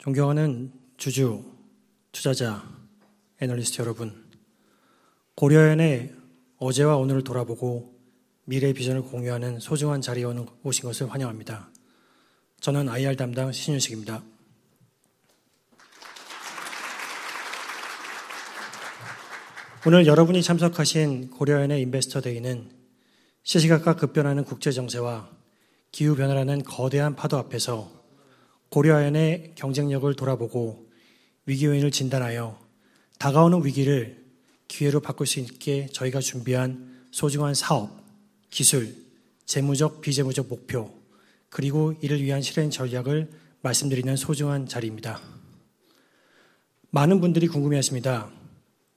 존경하는 주주, 투자자, 애널리스트 여러분, 고려아연의 어제와 오늘을 돌아보고 미래 비전을 공유하는 소중한 자리에 오신 것을 환영합니다. 저는 IR 담당 신윤식입니다. 오늘 여러분이 참석하신 고려아연의 인베스터 데이는 시시각각 급변하는 국제 정세와 기후 변화라는 거대한 파도 앞에서 고려아연의 경쟁력을 돌아보고 위기 요인을 진단하여 다가오는 위기를 기회로 바꿀 수 있게 저희가 준비한 소중한 사업, 기술, 재무적, 비재무적 목표, 그리고 이를 위한 실행 전략을 말씀드리는 소중한 자리입니다. 많은 분들이 궁금해 하십니다.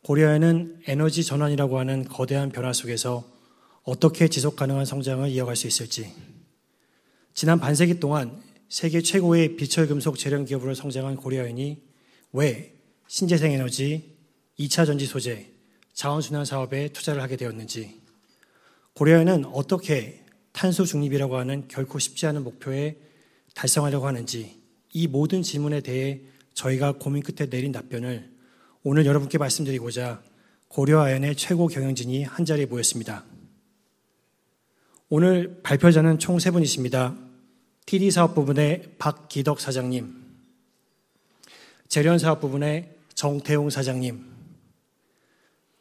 고려아연은 에너지 전환이라고 하는 거대한 변화 속에서 어떻게 지속 가능한 성장을 이어갈 수 있을지. 지난 반세기 동안 세계 최고의 비철금속 제련 기업으로 성장한 고려아연이 왜 신재생 에너지, 이차전지 소재, 자원순환 사업에 투자를 하게 되었는지, 고려아연은 어떻게 탄소 중립이라고 하는 결코 쉽지 않은 목표에 달성하려고 하는지. 이 모든 질문에 대해 저희가 고민 끝에 내린 답변을 오늘 여러분께 말씀드리고자 고려아연의 최고 경영진이 한자리에 모였습니다. 오늘 발표자는 총세 분이십니다. TD 사업부문의 박기덕 사장님, 제련사업부문의 정태용 사장님,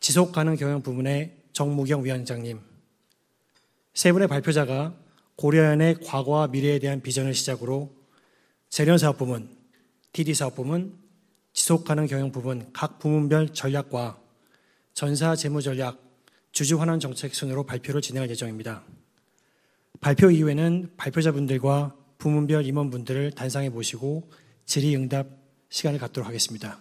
지속가능경영 부문의 정무경 위원장님. 세 분의 발표자가 고려아연의 과거와 미래에 대한 비전을 시작으로 제련사업부문, TD 사업부문, 지속가능경영 부문, 각 부문별 전략과 전사 재무전략, 주주환원 정책 순으로 발표를 진행할 예정입니다. 발표 이후에는 발표자분들과 부문별 임원분들을 단상에 모시고 질의응답 시간을 갖도록 하겠습니다.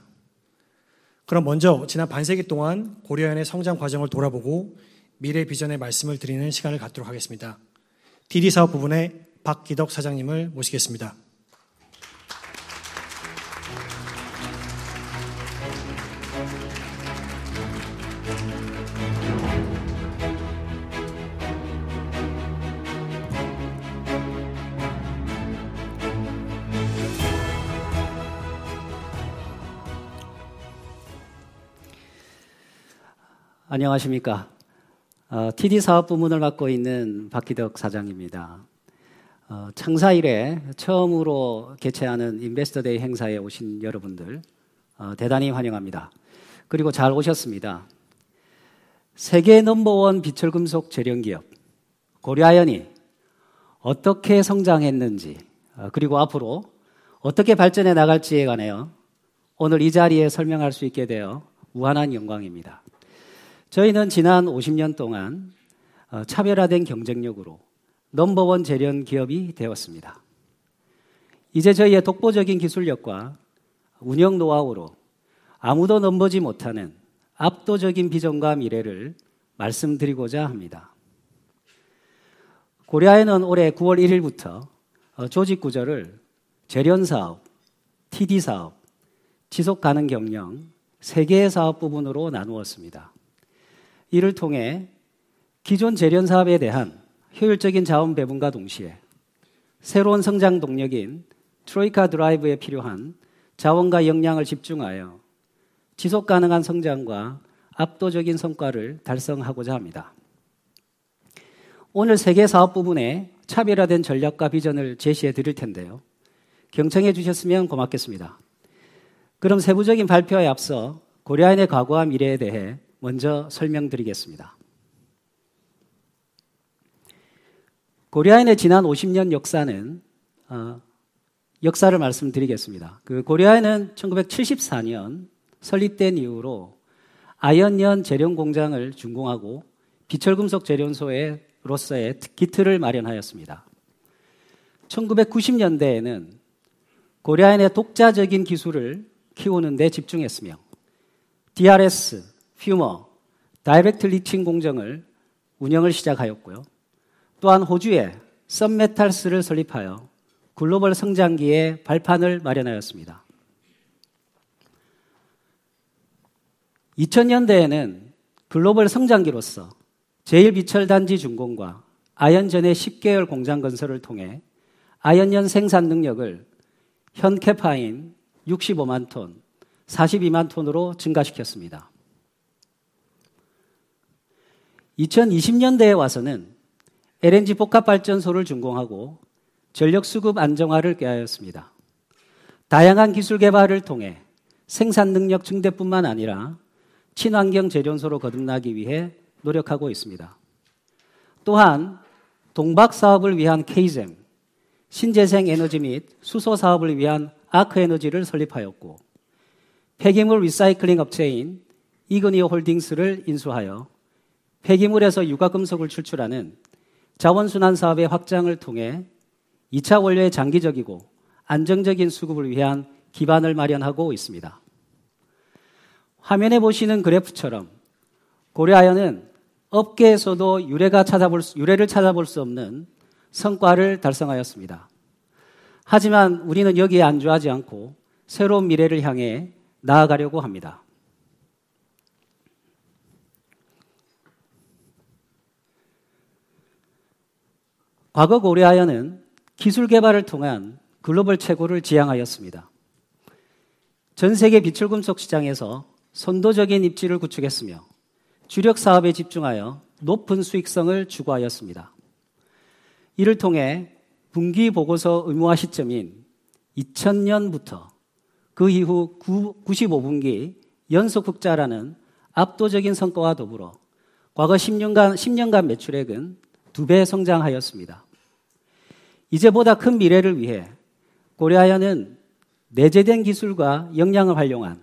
그럼 먼저 지난 반세기 동안 고려아연의 성장 과정을 돌아보고 미래 비전에 말씀을 드리는 시간을 갖도록 하겠습니다. TD 사업부문의 박기덕 사장님을 모시겠습니다. 안녕하십니까? TD 사업부문을 맡고 있는 박기덕 사장입니다. 창사 이래 처음으로 개최하는 인베스터 데이 행사에 오신 여러분들, 대단히 환영합니다. 그리고 잘 오셨습니다. 세계 넘버원 비철금속 제련기업, 고려아연이 어떻게 성장했는지, 그리고 앞으로 어떻게 발전해 나갈지에 관하여 오늘 이 자리에 설명할 수 있게 되어 무한한 영광입니다. 저희는 지난 50년 동안 차별화된 경쟁력으로 넘버원 제련기업이 되었습니다. 이제 저희의 독보적인 기술력과 운영 노하우로 아무도 넘보지 못하는 압도적인 비전과 미래를 말씀드리고자 합니다. 고려아연은 올해 9월 1일부터 조직 구조를 제련사업, TD 사업, 지속가능경영 세 개의 사업 부문으로 나누었습니다. 이를 통해 기존 제련사업에 대한 효율적인 자원 배분과 동시에 새로운 성장 동력인 트로이카 드라이브에 필요한 자원과 역량을 집중하여 지속 가능한 성장과 압도적인 성과를 달성하고자 합니다. 오늘 세개 사업 부문의 차별화된 전략과 비전을 제시해 드릴 텐데요. 경청해 주셨으면 고맙겠습니다. 그럼 세부적인 발표에 앞서 고려아연의 과거와 미래에 대해 먼저 설명드리겠습니다. 고려아연의 지난 50년 역사를 말씀드리겠습니다. 고려아연은 1974년 설립된 이후로 아연, 연 제련 공장을 준공하고 비철금속 제련소로서의 기틀을 마련하였습니다. 1990년대에는 고려아연의 독자적인 기술을 키우는 데 집중했으며, DRS, 퓨머, 다이렉트 리칭 공정 운영을 시작하였고요. 또한 호주의 섬메탈스를 설립하여 글로벌 성장기의 발판을 마련하였습니다. 2000년대에는 글로벌 성장기로서 제1 비철 단지 준공과 아연 전해 10계열 공장 건설을 통해 아연, 연 생산능력을 현 캐파인 65만 톤, 42만 톤으로 증가시켰습니다. 2020년대에 와서는 LNG 복합발전소를 준공하고 전력수급 안정화를 꾀하였습니다. 다양한 기술 개발을 통해 생산능력 증대뿐만 아니라 친환경 제련소로 거듭나기 위해 노력하고 있습니다. 또한 동박 사업을 위한 케이젬, 신재생 에너지 및 수소 사업을 위한 아크 에너지를 설립하였고, 폐기물 리사이클링 업체인 이그니어 홀딩스를 인수하여 폐기물에서 유가 금속을 추출하는 자원 순환 사업의 확장을 통해 이차 원료의 장기적이고 안정적인 수급을 위한 기반을 마련하고 있습니다. 화면에 보시는 그래프처럼 고려아연은 업계에서도 유례를 찾아볼 수 없는 성과를 달성하였습니다. 하지만 우리는 여기에 안주하지 않고 새로운 미래를 향해 나아가려고 합니다. 과거 고려아연은 기술 개발을 통한 글로벌 최고를 지향하였습니다. 전 세계 비철금속 시장에서 선도적인 입지를 구축했으며, 주력 사업에 집중하여 높은 수익성을 추구하였습니다. 이를 통해 분기 보고서 의무화 시점인 2000년부터 그 이후 95 분기 연속 흑자라는 압도적인 성과와 더불어 과거 10년간 매출액은 두배 성장하였습니다. 이제 보다 큰 미래를 위해 고려아연은 내재된 기술과 역량을 활용한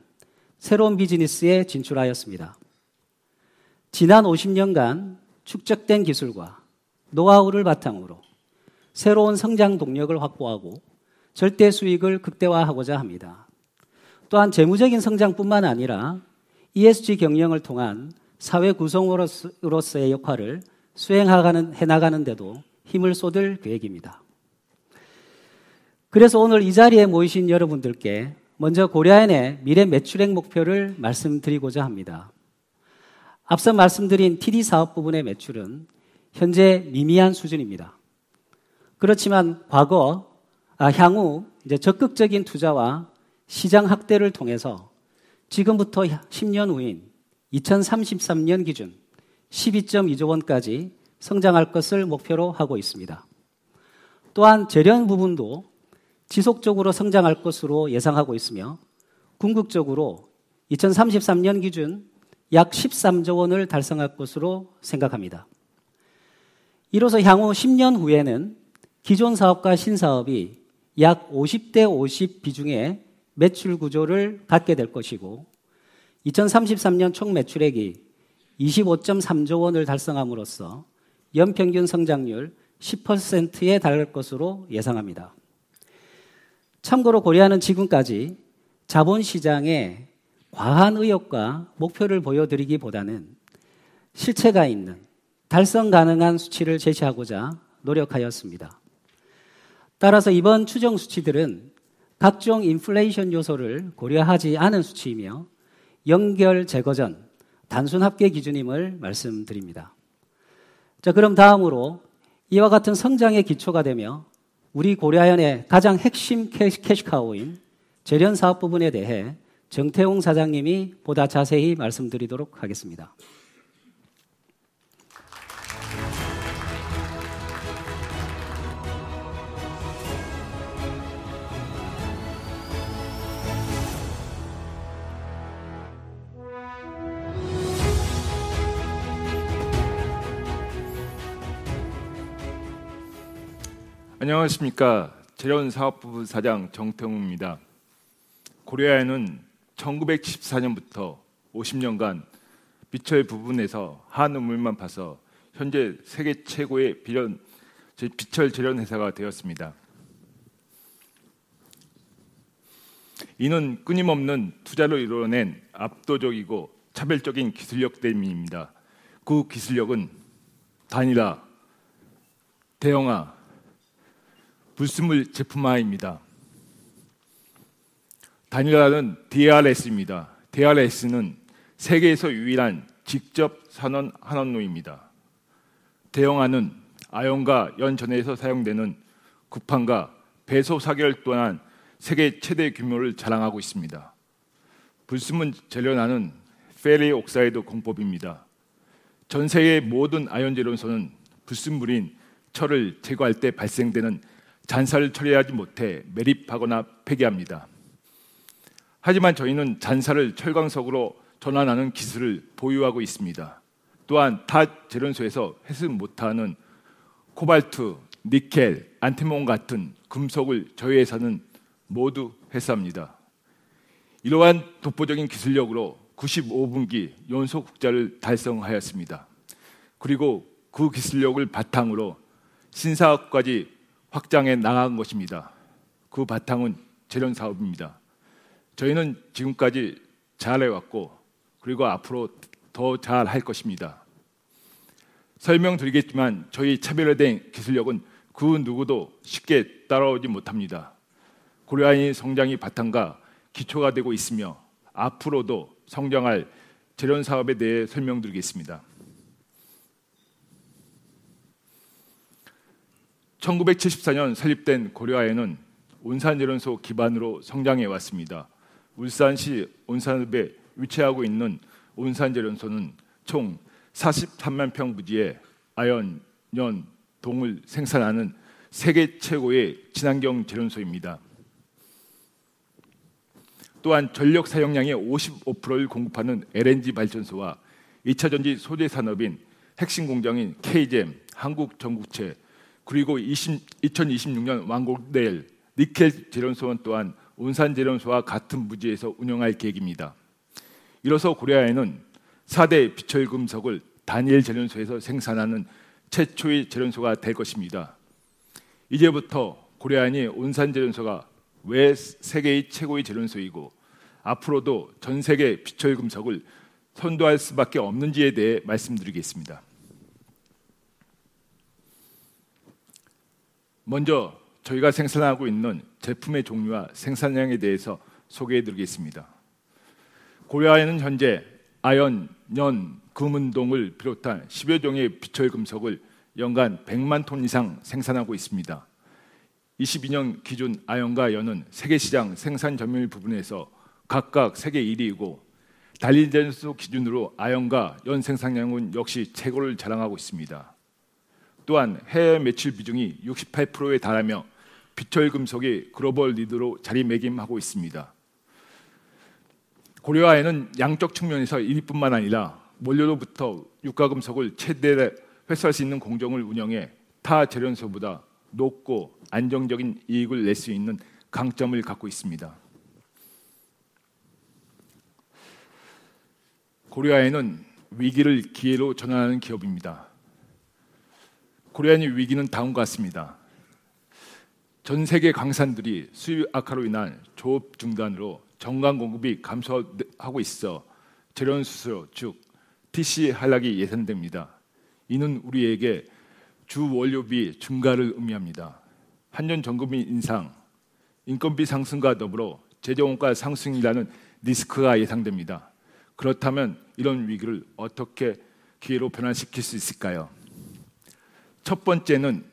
새로운 비즈니스에 진출하였습니다. 지난 50년간 축적된 기술과 노하우를 바탕으로 새로운 성장 동력을 확보하고 절대 수익을 극대화하고자 합니다. 또한 재무적인 성장뿐만 아니라 ESG 경영을 통한 사회 구성원으로서의 역할을 수행해나가는 데도 힘을 쏟을 계획입니다. 그래서 오늘 이 자리에 모이신 여러분들께 먼저 고려아연의 미래 매출액 목표를 말씀드리고자 합니다. 앞서 말씀드린 TD 사업 부문의 매출은 현재 미미한 수준입니다. 그렇지만 향후 적극적인 투자와 시장 확대를 통해서 지금부터 10년 후인 2033년 기준 12.2조원까지 성장할 것을 목표로 하고 있습니다. 또한 제련 부문도 지속적으로 성장할 것으로 예상하고 있으며, 궁극적으로 2033년 기준 약 13조원을 달성할 것으로 생각합니다. 이로써 향후 10년 후에는 기존 사업과 신사업이 약50대50 비중의 매출 구조를 갖게 될 것이고, 2033년 총 매출액이 25.3조원을 달성함으로써 연평균 성장률 10%에 달할 것으로 예상합니다. 참고로 고려아연은 지금까지 자본시장에 과한 의혹과 목표를 보여드리기보다는 실체가 있는, 달성 가능한 수치를 제시하고자 노력하였습니다. 따라서 이번 추정 수치들은 각종 인플레이션 요소를 고려하지 않은 수치이며, 연결 제거 전 단순 합계 기준임을 말씀드립니다. 그럼 다음으로 이와 같은 성장의 기초가 되며, 우리 고려아연의 가장 핵심 캐시카우인 제련 사업 부문에 대해 정태웅 사장님이 보다 자세히 말씀드리도록 하겠습니다. 안녕하십니까? 제련사업부문 사장 정태웅입니다. 고려아연은 1974년부터 50년간 비철 부문에서 한우물만 파서 현재 세계 최고의 비철제련 회사가 되었습니다. 이는 끊임없는 투자를 통해 이뤄낸 압도적이고 차별적인 기술력 때문입니다. 그 기술력은 단일화, 대형화, 불순물 제품화입니다. 단일화는 DARS입니다. DARS는 세계에서 유일한 직접 선원 환원로입니다. 대형화는 아연과 연 전로에서 사용되는 구판과 배소로 역시 세계 최대 규모를 자랑하고 있습니다. 불순물 제련하는 페리옥사이드 공법입니다. 전 세계의 모든 아연 제련소는 불순물인 철을 제거할 때 발생되는 잔사를 처리하지 못해 매립하거나 폐기합니다. 하지만 저희는 잔사를 철광석으로 전환하는 기술을 보유하고 있습니다. 또한 타 제련소에서 회수 못하는 코발트, 니켈, 안티몬 같은 금속을 저희 회사는 모두 회수합니다. 이러한 독보적인 기술력으로 95분기 연속 흑자를 달성하였습니다. 그리고 그 기술력을 바탕으로 신사업까지 확장해 나간 것입니다. 그 바탕은 제련사업입니다. 저희는 지금까지 잘해왔고, 그리고 앞으로 더 잘할 것입니다. 설명드리겠지만, 저희 차별화된 기술력은 그 누구도 쉽게 따라오지 못합니다. 고려아연의 성장의 바탕과 기초가 되고 있으며, 앞으로도 성장할 제련사업에 대해 설명드리겠습니다. 1974년 설립된 고려아연은 온산제련소 기반으로 성장해 왔습니다. 울산시 온산읍에 위치하고 있는 온산제련소는 총 43만평 부지에 아연, 연, 동을 생산하는 세계 최고의 친환경 제련소입니다. 또한 전력 사용량의 55%를 공급하는 LNG 발전소와 이차전지 소재 산업의 핵심 공장인 K-GEM, 한국정구체, 그리고 2026년 완공될 니켈 제련소 또한 온산제련소와 같은 부지에서 운영할 계획입니다. 이로써 고려아연은 4대 비철금속을 단일 제련소에서 생산하는 최초의 제련소가 될 것입니다. 이제부터 고려아연의 온산제련소가 왜 세계 최고의 제련소이고, 앞으로도 전 세계 비철금속을 선도할 수밖에 없는지에 대해 말씀드리겠습니다. 먼저 저희가 생산하고 있는 제품의 종류와 생산량에 대해서 소개해 드리겠습니다. 고려아연은 현재 아연, 연, 금, 은, 동을 비롯한 10여 종의 비철금속을 연간 100만 톤 이상 생산하고 있습니다. 2022년 기준 아연과 연은 세계 시장 생산 점유율 부문에서 각각 세계 1위이고, 단일 제련소 기준으로 아연과 연 생산량은 역시 최고를 자랑하고 있습니다. 또한 해외 매출 비중이 68%에 달하며, 비철금속의 글로벌 리더로 자리매김하고 있습니다. 고려아연은 양적 측면에서 1위뿐만 아니라 원료로부터 유가 금속을 최대회수할 수 있는 공정을 운영해 타 제련소보다 높고 안정적인 이익을 낼수 있는 강점을 갖고 있습니다. 고려아연은 위기를 기회로 전환하는 기업입니다. 고려아연의 위기는 다음과 같습니다. 전 세계 광산들이 수율 악화로 인한 조업 중단으로 정광 공급이 감소하고 있어 제련 수수료, 즉 TC 하락이 예상됩니다. 이는 우리에게 주원료비 증가를 의미합니다. 한전 전기료 인상, 인건비 상승과 더불어 제조원가 상승이라는 리스크가 예상됩니다. 그렇다면 이런 위기를 어떻게 기회로 변환시킬 수 있을까요? 첫 번째는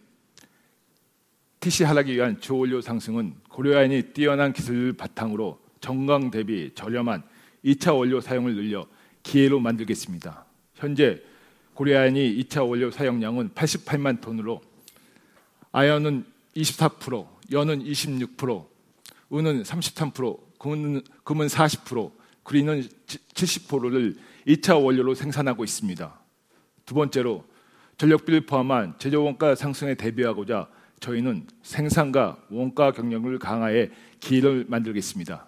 TC 하락에 의한 주원료 상승은 고려아연의 뛰어난 기술을 바탕으로 정광 대비 저렴한 이차 원료 사용을 늘려 기회로 만들겠습니다. 현재 고려아연의 이차 원료 사용량은 88만 톤으로, 아연은 24%, 연은 26%, 은은 33%, 금은 40%, 구리는 70%를 이차 원료로 생산하고 있습니다. 두 번째로, 전력비를 포함한 제조원가 상승에 대비하고자 저희는 생산과 원가 경쟁력을 강화해 기회를 만들겠습니다.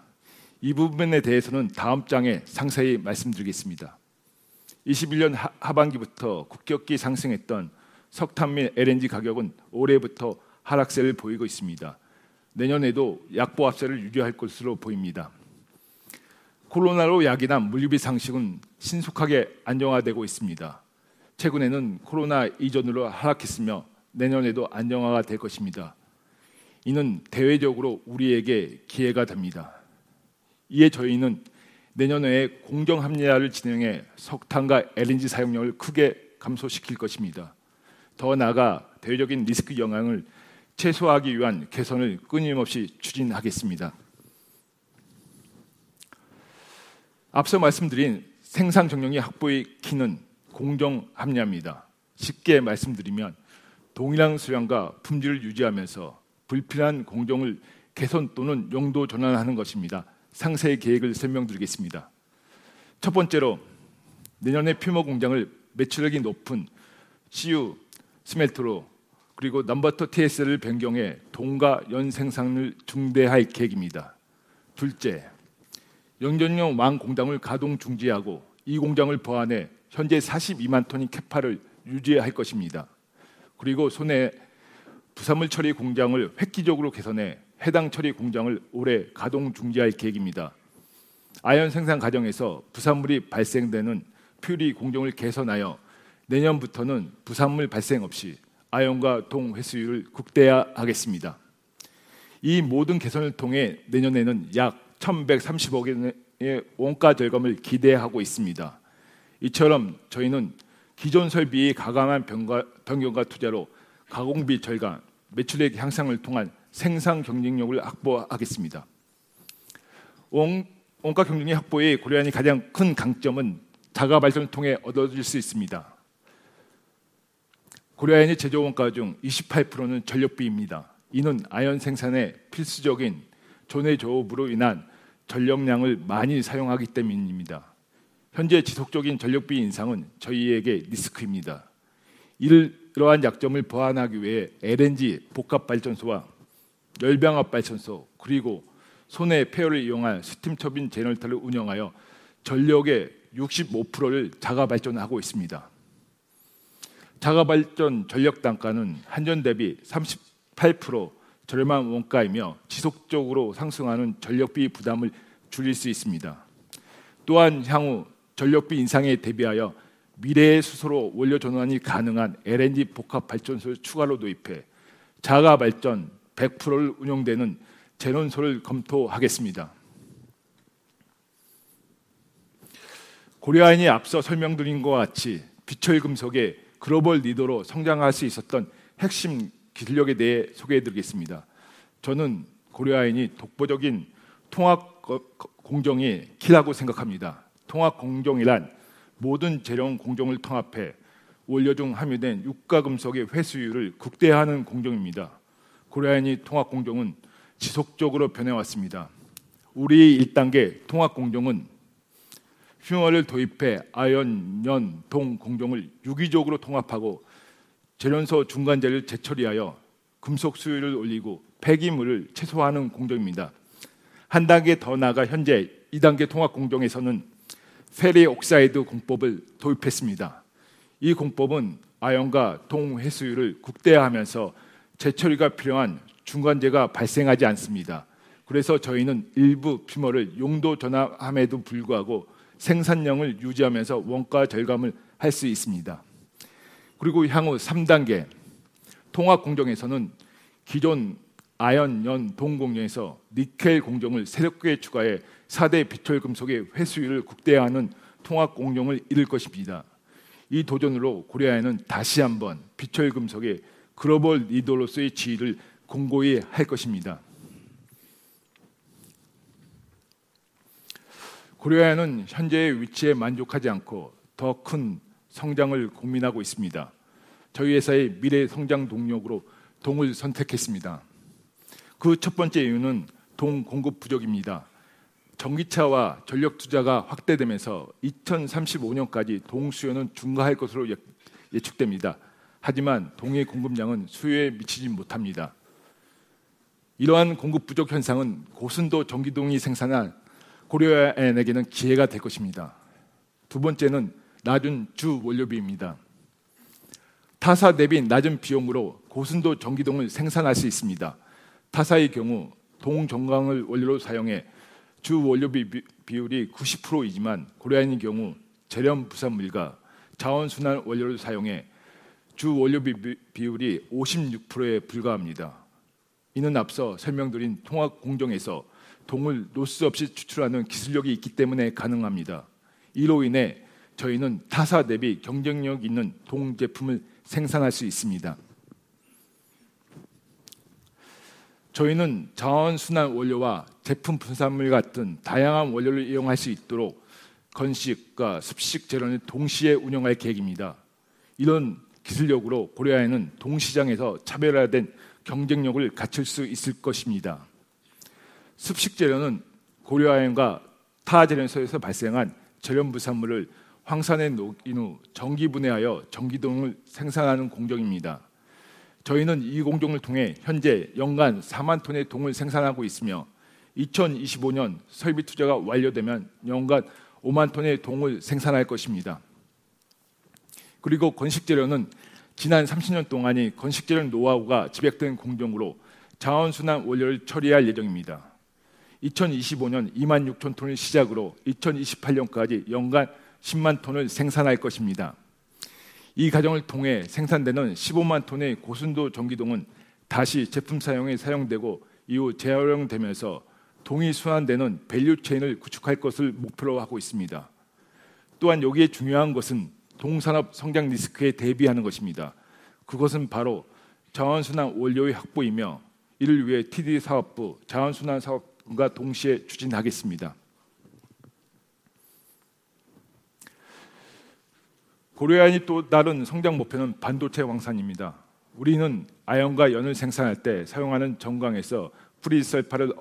이 부분에 대해서는 다음 장에 상세히 말씀드리겠습니다. 2021년 하반기부터 급격히 상승했던 석탄 및 LNG 가격은 올해부터 하락세를 보이고 있습니다. 내년에도 약보합세를 유지할 것으로 보입니다. 코로나로 야기된 물류비 상승은 신속하게 안정화되고 있습니다. 최근에는 코로나 이전으로 하락했으며 내년에도 안정화가 될 것입니다. 이는 대외적으로 우리에게 기회가 됩니다. 이에 저희는 내년도에 공정 합리화를 진행해 석탄과 LNG 사용량을 크게 감소시킬 것입니다. 더 나아가 대외적인 리스크 영향을 최소화하기 위한 개선을 끊임없이 추진하겠습니다. 앞서 말씀드린 생산 경쟁력 확보의 키는 공정 합리화입니다. 쉽게 말씀드리면, 동일한 수량과 품질을 유지하면서 불필요한 공정을 개선 또는 용도 전환하는 것입니다. 상세 계획을 설명드리겠습니다. 첫 번째로, 내년에 퓨머 공장을 매출액이 높은 CU 스멜터로 그리고 넘버투 TS를 변경해 동과 연 생산을 증대할 계획입니다. 둘째, 연전용 왕 공장을 가동 중지하고, 이 공장을 보완해 현재 42만 톤의 캐파를 유지할 것입니다. 그리고 소내 부선물 처리 공장을 획기적으로 개선해 해당 처리 공장을 올해 가동 중지할 계획입니다. 아연 생산 과정에서 부산물이 발생되는 퓨머 공정을 개선하여 내년부터는 부산물 발생 없이 아연과 동 회수율을 극대화하겠습니다. 이 모든 개선을 통해 내년에는 약 1,130억원의 원가 절감을 기대하고 있습니다. 이처럼 저희는 기존 설비의 과감한 변경과 투자로 가공비 절감, 매출액 향상을 통한 생산 경쟁력을 확보하겠습니다. 원가 경쟁력 확보에 고려아연이 가장 큰 강점은 자가발전을 통해 얻어질 수 있습니다. 고려아연의 제조원가 중 28%는 전력비입니다. 이는 아연 생산에 필수적인 전해 조업으로 인한 전력량을 많이 사용하기 때문입니다. 현재 지속적인 전력비 인상은 저희에게 리스크입니다. 이러한 약점을 보완하기 위해 LNG 복합발전소와 열병합발전소, 그리고 소내 폐열을 이용한 스팀 터빈 제너레이터를 운영하여 전력의 65%를 자가 발전하고 있습니다. 자가 발전 전력 단가는 한전 대비 38% 저렴한 원가이며, 지속적으로 상승하는 전력비 부담을 줄일 수 있습니다. 또한 향후 전력비 인상에 대비하여 미래의 수소로 원료 전환이 가능한 LNG 복합발전소를 추가로 도입해 자가 발전 100%로 운영되는 제련소를 검토하겠습니다. 고려아연이 앞서 설명드린 것과 같이 비철금속의 글로벌 리더로 성장할 수 있었던 핵심 기술력에 대해 소개해 드리겠습니다. 저는 고려아연의 독보적인 통합 공정이 키라고 생각합니다. 통합 공정이란 모든 제련 공정을 통합해 원료 중 함유된 유가 금속의 회수율을 극대화하는 공정입니다. 고려아연의 통합 공정은 지속적으로 변해왔습니다. 우리의 1단계 통합 공정은 퓨머를 도입해 아연, 연, 동 공정을 유기적으로 통합하고, 제련소 중간재를 재처리하여 금속 수율을 올리고 폐기물을 최소화하는 공정입니다. 한 단계 더 나아가 현재 2단계 통합 공정에서는 페리옥사이드 공법을 도입했습니다. 이 공법은 아연과 동 회수율을 극대화하면서 재처리가 필요한 중간재가 발생하지 않습니다. 그래서 저희는 일부 퓨머를 용도 전환함에도 불구하고 생산량을 유지하면서 원가 절감을 할수 있습니다. 그리고 향후 3단계 통합 공정에서는 기존 아연, 연, 동 공정에서 니켈 공정을 새롭게 추가해 4대 비철금속의 회수율을 극대화하는 통합 공정을 이룰 것입니다. 이 도전으로 고려아연은 다시 한번 비철금속의 글로벌 리더로서의 지위를 공고히 할 것입니다. 고려아연은 현재의 위치에 만족하지 않고 더큰 성장을 고민하고 있습니다. 저희 회사의 미래 성장 동력으로 동을 선택했습니다. 그첫 번째 이유는 동 공급 부족입니다. 전기차와 전력 투자가 확대되면서 2035년까지 동 수요는 증가할 것으로 예측됩니다. 하지만 동의 공급량은 수요에 미치지 못합니다. 이러한 공급 부족 현상은 고순도 전기동을 생산하는 고려아연에게는 기회가 될 것입니다. 두 번째는 낮은 주원료비입니다. 타사 대비 낮은 비용으로 고순도 전기동을 생산할 수 있습니다. 타사의 경우 동 정광을 원료로 사용해 주원료비 비율이 90%이지만, 고려아연의 경우 제련 부산물과 자원 순환 원료를 사용해 주원료비 비율이 56%에 불과합니다. 이는 앞서 설명드린 통합 공정에서 동을 로스 없이 추출하는 기술력이 있기 때문에 가능합니다. 이로 인해 저희는 타사 대비 경쟁력 있는 동 제품을 생산할 수 있습니다. 저희는 자원 순환 원료와 제련 부산물 같은 다양한 원료를 이용할 수 있도록 건식과 습식 제련을 동시에 운영할 계획입니다. 이런 기술력으로 고려아연은 동 시장에서 차별화된 경쟁력을 갖출 수 있을 것입니다. 습식 제련은 고려아연과 타 제련소에서 발생한 제련 부산물을 황산에 녹인 후 전기분해하여 전기동을 생산하는 공정입니다. 저희는 이 공정을 통해 현재 연간 4만 톤의 동을 생산하고 있으며, 2025년 설비 투자가 완료되면 연간 5만 톤의 동을 생산할 것입니다. 그리고 건식 제련은 지난 30년 동안의 건식 제련 노하우가 집약된 공정으로 자원 순환 원료를 처리할 예정입니다. 2025년 2만 6천 톤을 시작으로 2028년까지 연간 10만 톤을 생산할 것입니다. 이 과정을 통해 생산되는 15만 톤의 고순도 전기동은 다시 제품 사용에 사용되고 이후 재활용되면서 동이 순환되는 밸류체인을 구축할 것을 목표로 하고 있습니다. 또한 여기에 중요한 것은 동 산업 성장 리스크에 대비하는 것입니다. 그것은 바로 자원 순환 원료의 확보이며, 이를 위해 TD 사업부 자원순환 사업과 동시에 추진하겠습니다. 고려아연의 또 다른 성장 목표는 반도체 황산입니다. 우리는 아연과 연을 생산할 때 사용하는 정광에서 황을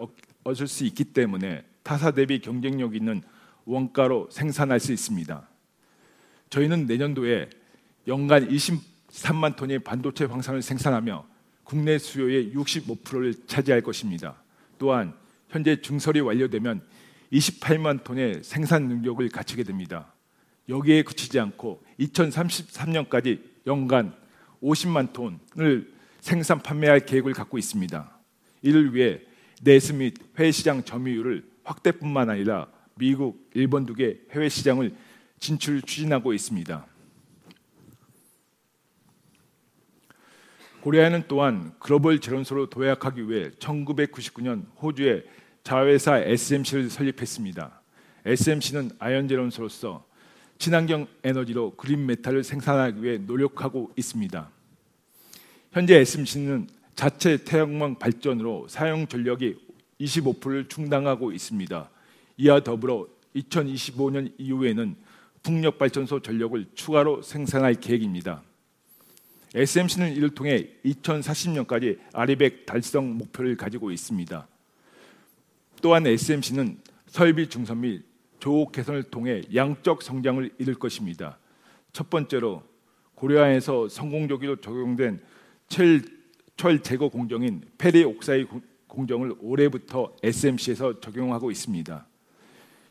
얻을 수 있기 때문에 타사 대비 경쟁력 있는 원가로 생산할 수 있습니다. 저희는 내년도에 연간 23만 톤의 반도체 황산을 생산하며, 국내 수요의 65%를 차지할 것입니다. 또한 현재 증설이 완료되면 28만 톤의 생산 능력을 갖추게 됩니다. 여기에 그치지 않고 2033년까지 연간 50만 톤을 생산 판매할 계획을 갖고 있습니다. 이를 위해 내수 및 해외 시장 점유율을 확대뿐만 아니라 미국, 일본 두개 해외 시장 진출을 추진하고 있습니다. 고려아연은 또한 글로벌 제련소로 도약하기 위해 1999년 호주의 자회사 SMC를 설립했습니다. SMC는 아연 제련소로서 친환경 에너지로 그린 메탈을 생산하기 위해 노력하고 있습니다. 현재 SMC는 자체 태양광 발전으로 사용 전력의 25%를 충당하고 있습니다. 이와 더불어 2025년 이후에는 풍력발전소 전력을 추가로 생산할 계획입니다. SMC는 이를 통해 2040년까지 RE100 달성 목표를 가지고 있습니다. 또한 SMC는 설비 증설 및 조업 개선을 통해 양적 성장을 이룰 것입니다. 첫 번째로 고려아연에서 성공적으로 적용된 철 제거 공정인 페리옥사이드 공정을 올해부터 SMC에서 적용하고 있습니다.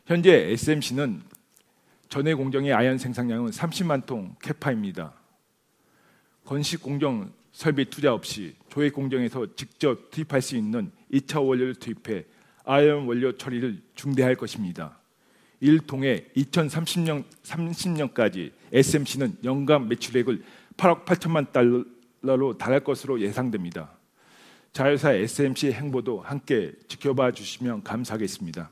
현재 SMC는 전해 공정의 아연 생산량은 30만 톤 캐파입니다. 건식 공정 설비 투자 없이 조업 공정에서 직접 투입할 수 있는 이차 원료를 투입해 아연 원료 처리를 증대할 것입니다. 이를 통해 2030년까지 SMC는 연간 매출액을 8억 8천만 달러로 달할 것으로 예상됩니다. 자회사 SMC의 행보도 함께 지켜봐 주시면 감사하겠습니다.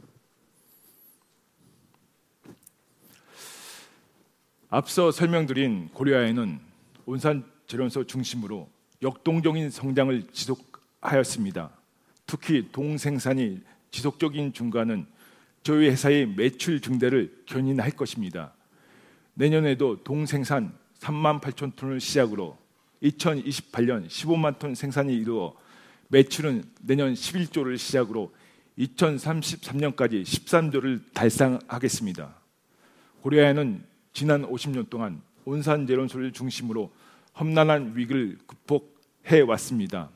앞서 설명드린 고려아연은 온산제련소 중심으로 역동적인 성장을 지속하였습니다. 특히 동 생산의 지속적인 증가는 저희 회사의 매출 증대를 견인할 것입니다. 내년에도 동 생산 3만 8천 톤을 시작으로 2028년 15만 톤 생산이 이루어져 매출은 내년 11조를 시작으로 2033년까지 13조를 달성하겠습니다. 고려아연은 지난 50년 동안 온산제련소를 중심으로 험난한 위기를 극복해 왔습니다.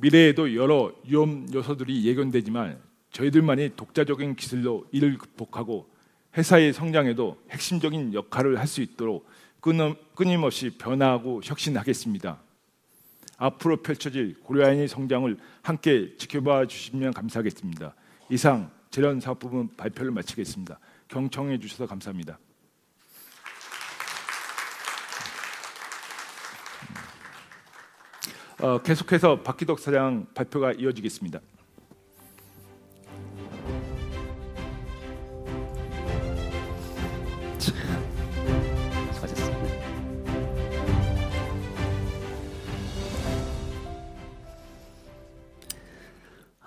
미래에도 여러 위험 요소들이 예견되지만, 저희들만의 독자적인 기술로 이를 극복하고 더 나아가 회사의 성장에도 핵심적인 역할을 할수 있도록 끊임없이 변화하고 혁신하겠습니다. 앞으로 펼쳐질 고려아연의 성장을 함께 지켜봐 주시면 감사하겠습니다. 이상 제련사업부문 발표를 마치겠습니다. 경청해 주셔서 감사합니다. 계속해서 박희덕 사장 발표가 이어지겠습니다.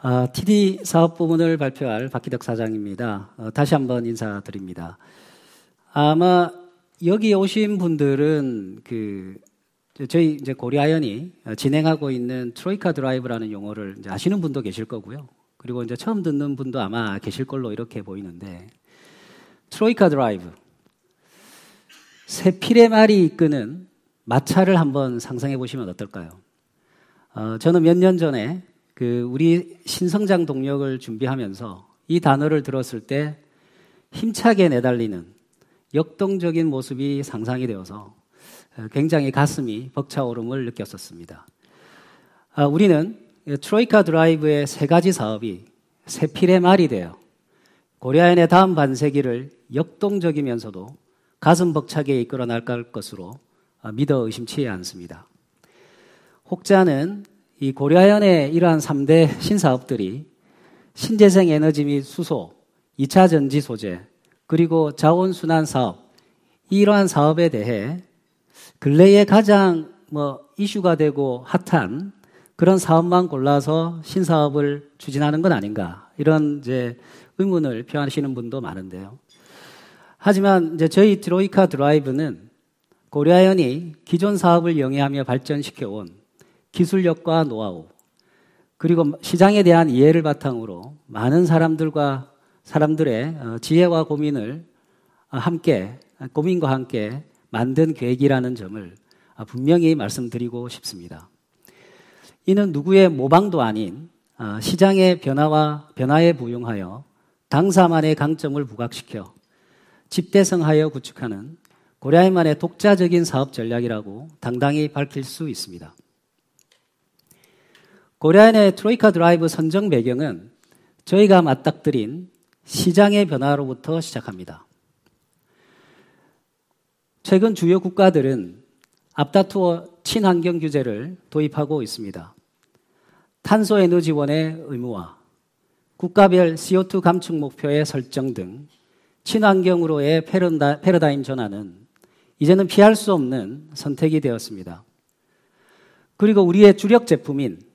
수고하셨습니다. TD 사업부문을 발표할 박희덕 사장입니다. 다시 한번 인사드립니다. 아마 여기 오신 분들은 저희 이제 고려아연이 진행하고 있는 트로이카 드라이브라는 용어를 이제 아시는 분도 계실 거고요. 그리고 이제 처음 듣는 분도 아마 계실 걸로 이렇게 보이는데, 트로이카 드라이브, 세 필의 말이 이끄는 마차를 한번 상상해 보시면 어떨까요? 저는 몇년 전에 그 우리 신성장 동력을 준비하면서 이 단어를 들었을 때 힘차게 내달리는 역동적인 모습이 상상이 되어서 굉장히 가슴이 벅차오름을 느꼈었습니다. 우리는 트로이카 드라이브의 세 가지 사업이 세 필의 말이 되어 고려아연의 다음 반세기를 역동적이면서도 가슴 벅차게 이끌어 나갈 것으로 믿어 의심치 않습니다. 혹자는 이 고려아연의 이러한 3대 신사업들이 신재생 에너지 및 수소, 이차전지 소재, 그리고 자원순환 사업, 이러한 사업에 대해 근래에 가장 이슈가 되고 핫한 그런 사업만 골라서 신사업을 추진하는 건 아닌가 이런 이제 의문을 표하시는 분도 많은데요. 하지만 이제 저희 트로이카 드라이브는 고려아연이 기존 사업을 영위하며 발전시켜온 기술력과 노하우, 그리고 시장에 대한 이해를 바탕으로 많은 사람들과 사람들의 지혜와 고민을 함께 고민과 함께 만든 계획이라는 점을 분명히 말씀드리고 싶습니다. 이는 누구의 모방도 아닌 시장의 변화와 변화에 부응하여 당사만의 강점을 부각시켜 집대성하여 구축하는 고려아연만의 독자적인 사업 전략이라고 당당히 밝힐 수 있습니다. 고려아연의 트로이카 드라이브 선정 배경은 저희가 맞닥뜨린 시장의 변화로부터 시작합니다. 최근 주요 국가들은 앞다투어 친환경 규제를 도입하고 있습니다. 탄소 에너지원의 의무화, 국가별 CO₂ 감축 목표의 설정 등 친환경으로의 패러다임 전환은 이제는 피할 수 없는 선택이 되었습니다. 그리고 우리의 주력 제품인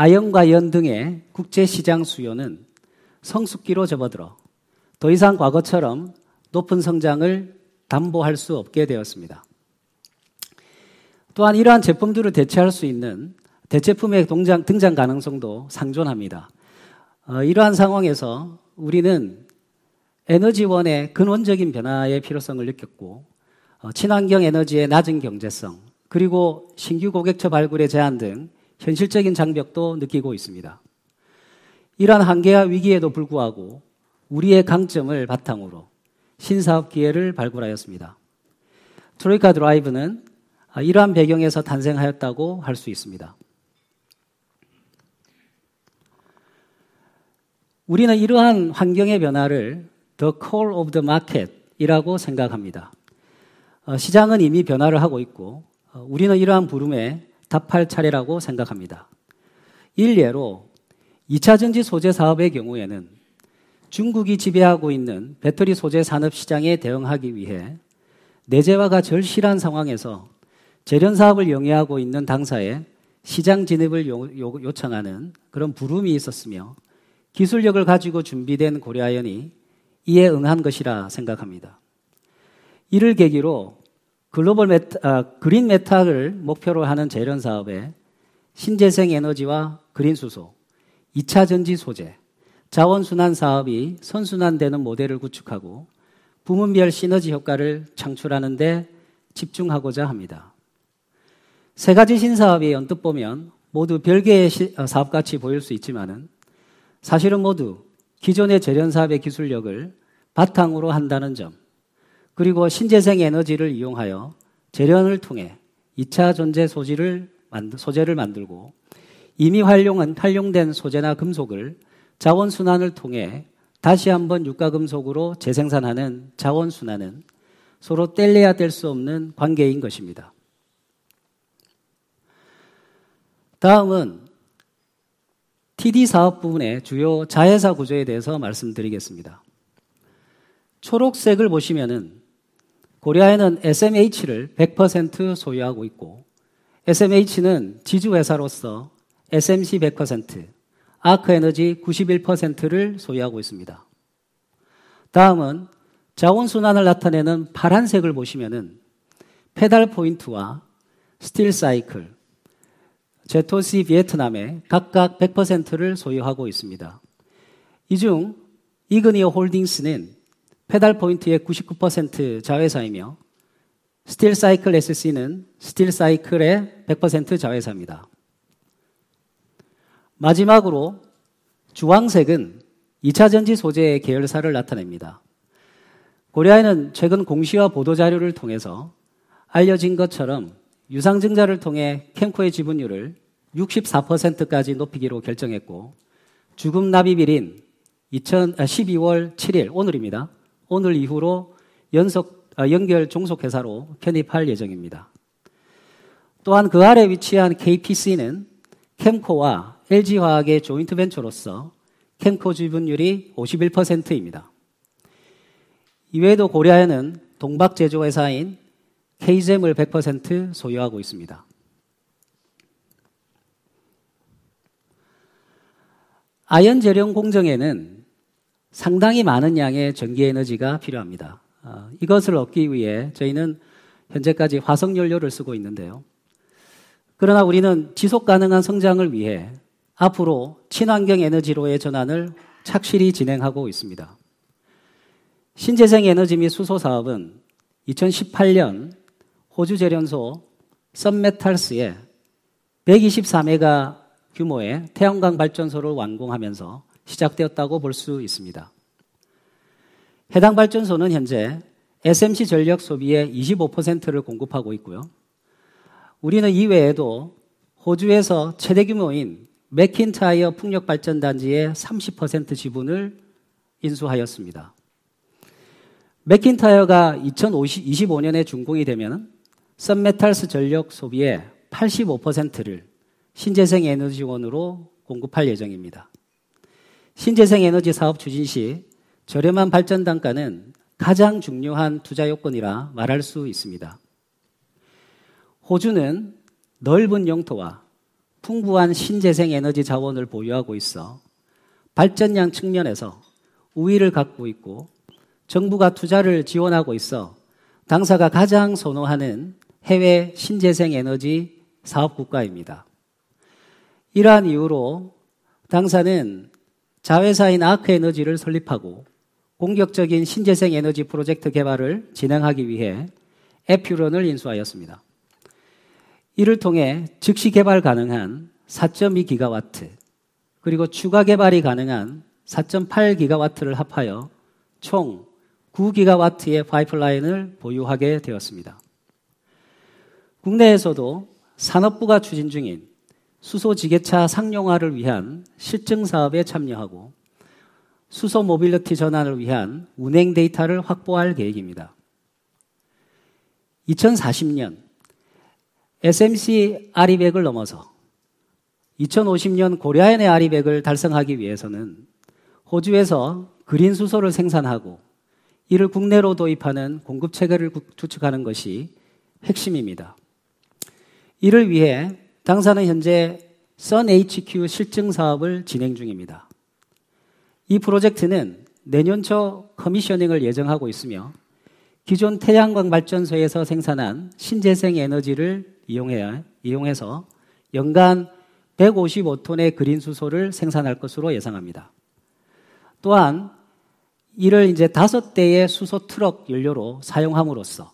아연과 연 등의 국제시장 수요는 성숙기로 접어들어 더 이상 과거처럼 높은 성장을 담보할 수 없게 되었습니다. 또한 이러한 제품들을 대체할 수 있는 대체품의 등장 가능성도 상존합니다. 이러한 상황에서 우리는 에너지원의 근원적인 변화의 필요성을 느꼈고, 친환경 에너지의 낮은 경제성, 그리고 신규 고객처 발굴의 제한 등 현실적인 장벽도 느끼고 있습니다. 이러한 한계와 위기에도 불구하고 우리의 강점을 바탕으로 신사업 기회를 발굴하였습니다. 트로이카 드라이브는 이러한 배경에서 탄생하였다고 할수 있습니다. 우리는 이러한 환경의 변화를 더콜 오브 더 마켓이라고 생각합니다. 시장은 이미 변화를 하고 있고, 우리는 이러한 부름에 답할 차례라고 생각합니다. 일례로 이차전지 소재 사업의 경우에는 중국이 지배하고 있는 배터리 소재 산업 시장에 대응하기 위해 내재화가 절실한 상황에서 제련 사업을 영위하고 있는 당사의 시장 진입을 요구, 요청하는 그런 부름이 있었으며, 기술력을 가지고 준비된 고려아연이 이에 응한 것이라 생각합니다. 이를 계기로 글로벌 그린 메탈을 목표로 하는 제련 사업에 신재생 에너지와 그린수소, 이차전지 소재, 자원순환 사업이 선순환되는 모델을 구축하고 부문별 시너지 효과를 창출하는 데 집중하고자 합니다. 세 가지 신사업이 언뜻 보면 모두 별개의 사업같이 보일 수 있지만은, 사실은 모두 기존의 제련 사업의 기술력을 바탕으로 한다는 점, 그리고 신재생 에너지를 이용하여 제련을 통해 이차전지 소재를 만들고, 이미 활용된 소재나 금속을 자원 순환을 통해 다시 한번 유가 금속으로 재생산하는 자원 순환은 서로 떼려야 뗄수 없는 관계인 것입니다. 다음은 TD 사업 부문의 주요 자회사 구조에 대해서 말씀드리겠습니다. 초록색을 보시면은 고려아연은 에스엠에이치를 100% 소유하고 있고, 에스엠에이치는 지주회사로서 에스엠씨 100%, 아크에너지 91%를 소유하고 있습니다. 다음은 자원 순환을 나타내는 파란색을 보시면은 페달 포인트와 스틸 사이클, 제토씨 베트남에 각각 100%를 소유하고 있습니다. 이중 이그니어 홀딩스는 페달 포인트의 99% 자회사이며, 스틸 사이클 에스씨는 스틸 사이클의 100% 자회사입니다. 마지막으로 주황색은 이차전지 소재의 계열사를 나타냅니다. 고려아연은 최근 공시와 보도자료를 통해서 알려진 것처럼 유상증자를 통해 캠코의 지분율을 64%까지 높이기로 결정했고, 주금 납입일인 2022년 12월 7일, 오늘입니다. 오늘 이후로 연결 종속회사로 편입할 예정입니다. 또한 그 아래 위치한 케이피씨는 캠코와 엘지화학의 조인트벤처로서 캠코 지분율이 51%입니다. 이외에도 고려아연은 동박 제조회사인 케이젬을 100% 소유하고 있습니다. 아연 제련 공정에는 상당히 많은 양의 전기 에너지가 필요합니다. 이것을 얻기 위해 저희는 현재까지 화석 연료를 쓰고 있는데요. 그러나 우리는 지속 가능한 성장을 위해 앞으로 친환경 에너지로의 전환을 착실히 진행하고 있습니다. 신재생 에너지 및 수소 사업은 2018년 호주 제련소 선메탈스의 124메가 규모의 태양광 발전소를 완공하면서 시작되었다고 볼수 있습니다. 해당 발전소는 현재 에스엠씨 전력 소비의 25%를 공급하고 있고요. 우리는 이 외에도 호주에서 최대 규모인 매킨타이어 풍력발전단지의 30% 지분을 인수하였습니다. 매킨타이어가 2025년에 준공이 되면 선메탈스 전력 소비의 85%를 신재생에너지원으로 공급할 예정입니다. 신재생에너지 사업 추진 시 저렴한 발전 단가는 가장 중요한 투자 요건이라 말할 수 있습니다. 호주는 넓은 영토와 풍부한 신재생에너지 자원을 보유하고 있어 발전량 측면에서 우위를 갖고 있고, 정부가 투자를 지원하고 있어 당사가 가장 선호하는 해외 신재생에너지 사업 국가입니다. 이러한 이유로 당사는 자회사인 아크에너지를 설립하고, 공격적인 신재생에너지 프로젝트 개발을 진행하기 위해 에퓨런을 인수하였습니다. 이를 통해 즉시 개발 가능한 4기가와트, 그리고 추가 개발이 가능한 4.8기가와트를 합하여 총 9기가와트의 파이프라인을 보유하게 되었습니다. 국내에서도 산업부가 추진 중인 수소 지게차 상용화를 위한 실증 사업에 참여하고, 수소 모빌리티 전환을 위한 운행 데이터를 확보할 계획입니다. 2040년 에스엠씨 넷제로를 넘어서 2050년 고려아연의 넷제로를 달성하기 위해서는 호주에서 그린 수소를 생산하고 이를 국내로 도입하는 공급 체계를 구축하는 것이 핵심입니다. 이를 위해 당사는 현재 선에이치큐 실증 사업을 진행 중입니다. 이 프로젝트는 내년 초 커미셔닝을 예정하고 있으며, 기존 태양광 발전소에서 생산한 신재생에너지를 이용해서 연간 155톤의 그린 수소를 생산할 것으로 예상합니다. 또한 이를 이제 5대의 수소 트럭 연료로 사용함으로써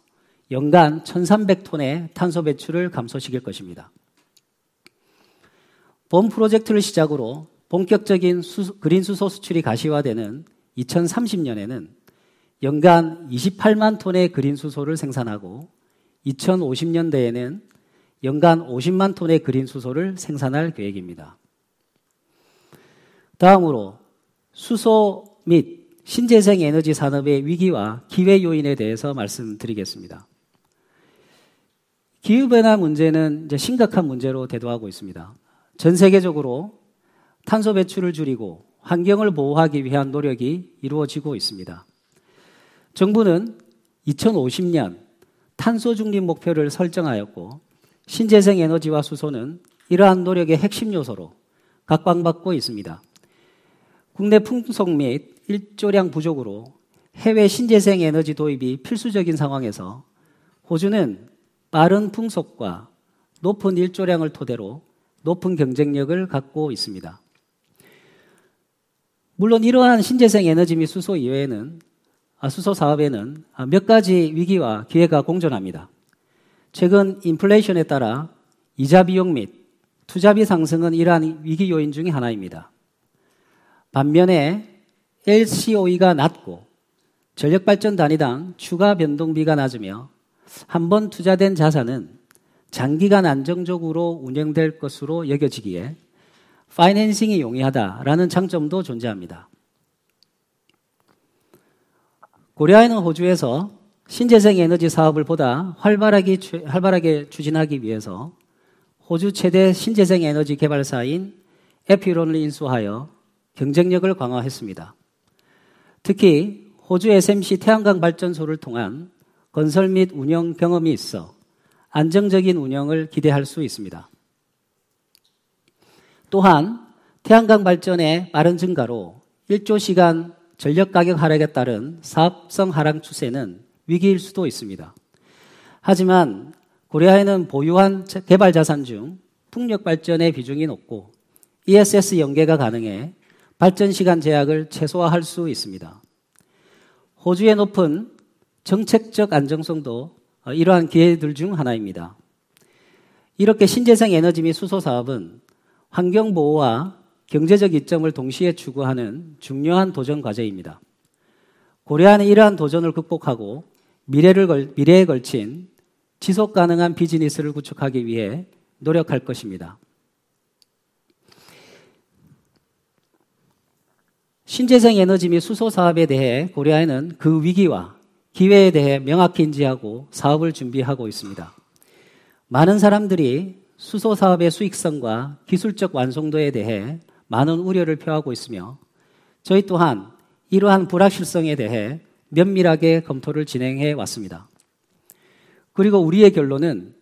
연간 1,300톤의 탄소 배출을 감소시킬 것입니다. 본 프로젝트를 시작으로 본격적인 수소, 그린 수소 수출이 가시화되는 2030년에는 연간 28만 톤의 그린 수소를 생산하고, 2050년대에는 연간 50만 톤의 그린 수소를 생산할 계획입니다. 다음으로 수소 및 신재생에너지 산업의 위기와 기회 요인에 대해서 말씀드리겠습니다. 기후 변화 문제는 이제 심각한 문제로 대두하고 있습니다. 전 세계적으로 탄소 배출을 줄이고 환경을 보호하기 위한 노력이 이루어지고 있습니다. 정부는 2050년 탄소중립 목표를 설정하였고, 신재생에너지와 수소는 이러한 노력의 핵심 요소로 각광받고 있습니다. 국내 풍속 및 일조량 부족으로 해외 신재생에너지 도입이 필수적인 상황에서 호주는 빠른 풍속과 높은 일조량을 토대로 높은 경쟁력을 갖고 있습니다. 물론 이러한 신재생에너지 및 수소 사업에는 몇 가지 위기와 기회가 공존합니다. 최근 인플레이션에 따라 이자 비용 및 투자비 상승은 이러한 위기 요인 중에 하나입니다. 반면에 LCOE가 낮고 전력발전 단위당 추가 변동비가 낮으며, 한번 투자된 자산은 장기간 안정적으로 운영될 것으로 여겨지기에 파이낸싱이 용이하다라는 장점도 존재합니다. 고려아연은 호주에서 신재생에너지 사업을 보다 활발하게 추진하기 위해서 호주 최대 신재생에너지 개발사인 에퓨런을 인수하여 경쟁력을 강화했습니다. 특히 호주 에스엠씨 태양광 발전소를 통한 건설 및 운영 경험이 있어 안정적인 운영을 기대할 수 있습니다. 또한 태양광 발전의 빠른 증가로 일조 시간 전력 가격 하락에 따른 사업성 하락 추세는 위기일 수도 있습니다. 하지만 고려아연은 보유한 개발 자산 중 풍력발전의 비중이 높고, ESS 연계가 가능해 발전 시간 제약을 최소화할 수 있습니다. 호주의 높은 정책적 안정성도 이러한 기회들 중 하나입니다. 이렇게 신재생 에너지 및 수소 사업은 환경 보호와 경제적 이점을 동시에 추구하는 중요한 도전 과제입니다. 고려아연은 이러한 도전을 극복하고 미래에 걸친 지속 가능한 비즈니스를 구축하기 위해 노력할 것입니다. 신재생 에너지 및 수소 사업에 대해 고려아연은 그 위기와 기회에 대해 명확히 인지하고 사업을 준비하고 있습니다. 많은 사람들이 수소 사업의 수익성과 기술적 완성도에 대해 많은 우려를 표하고 있으며, 저희 또한 이러한 불확실성에 대해 면밀하게 검토를 진행해 왔습니다. 그리고 우리의 결론은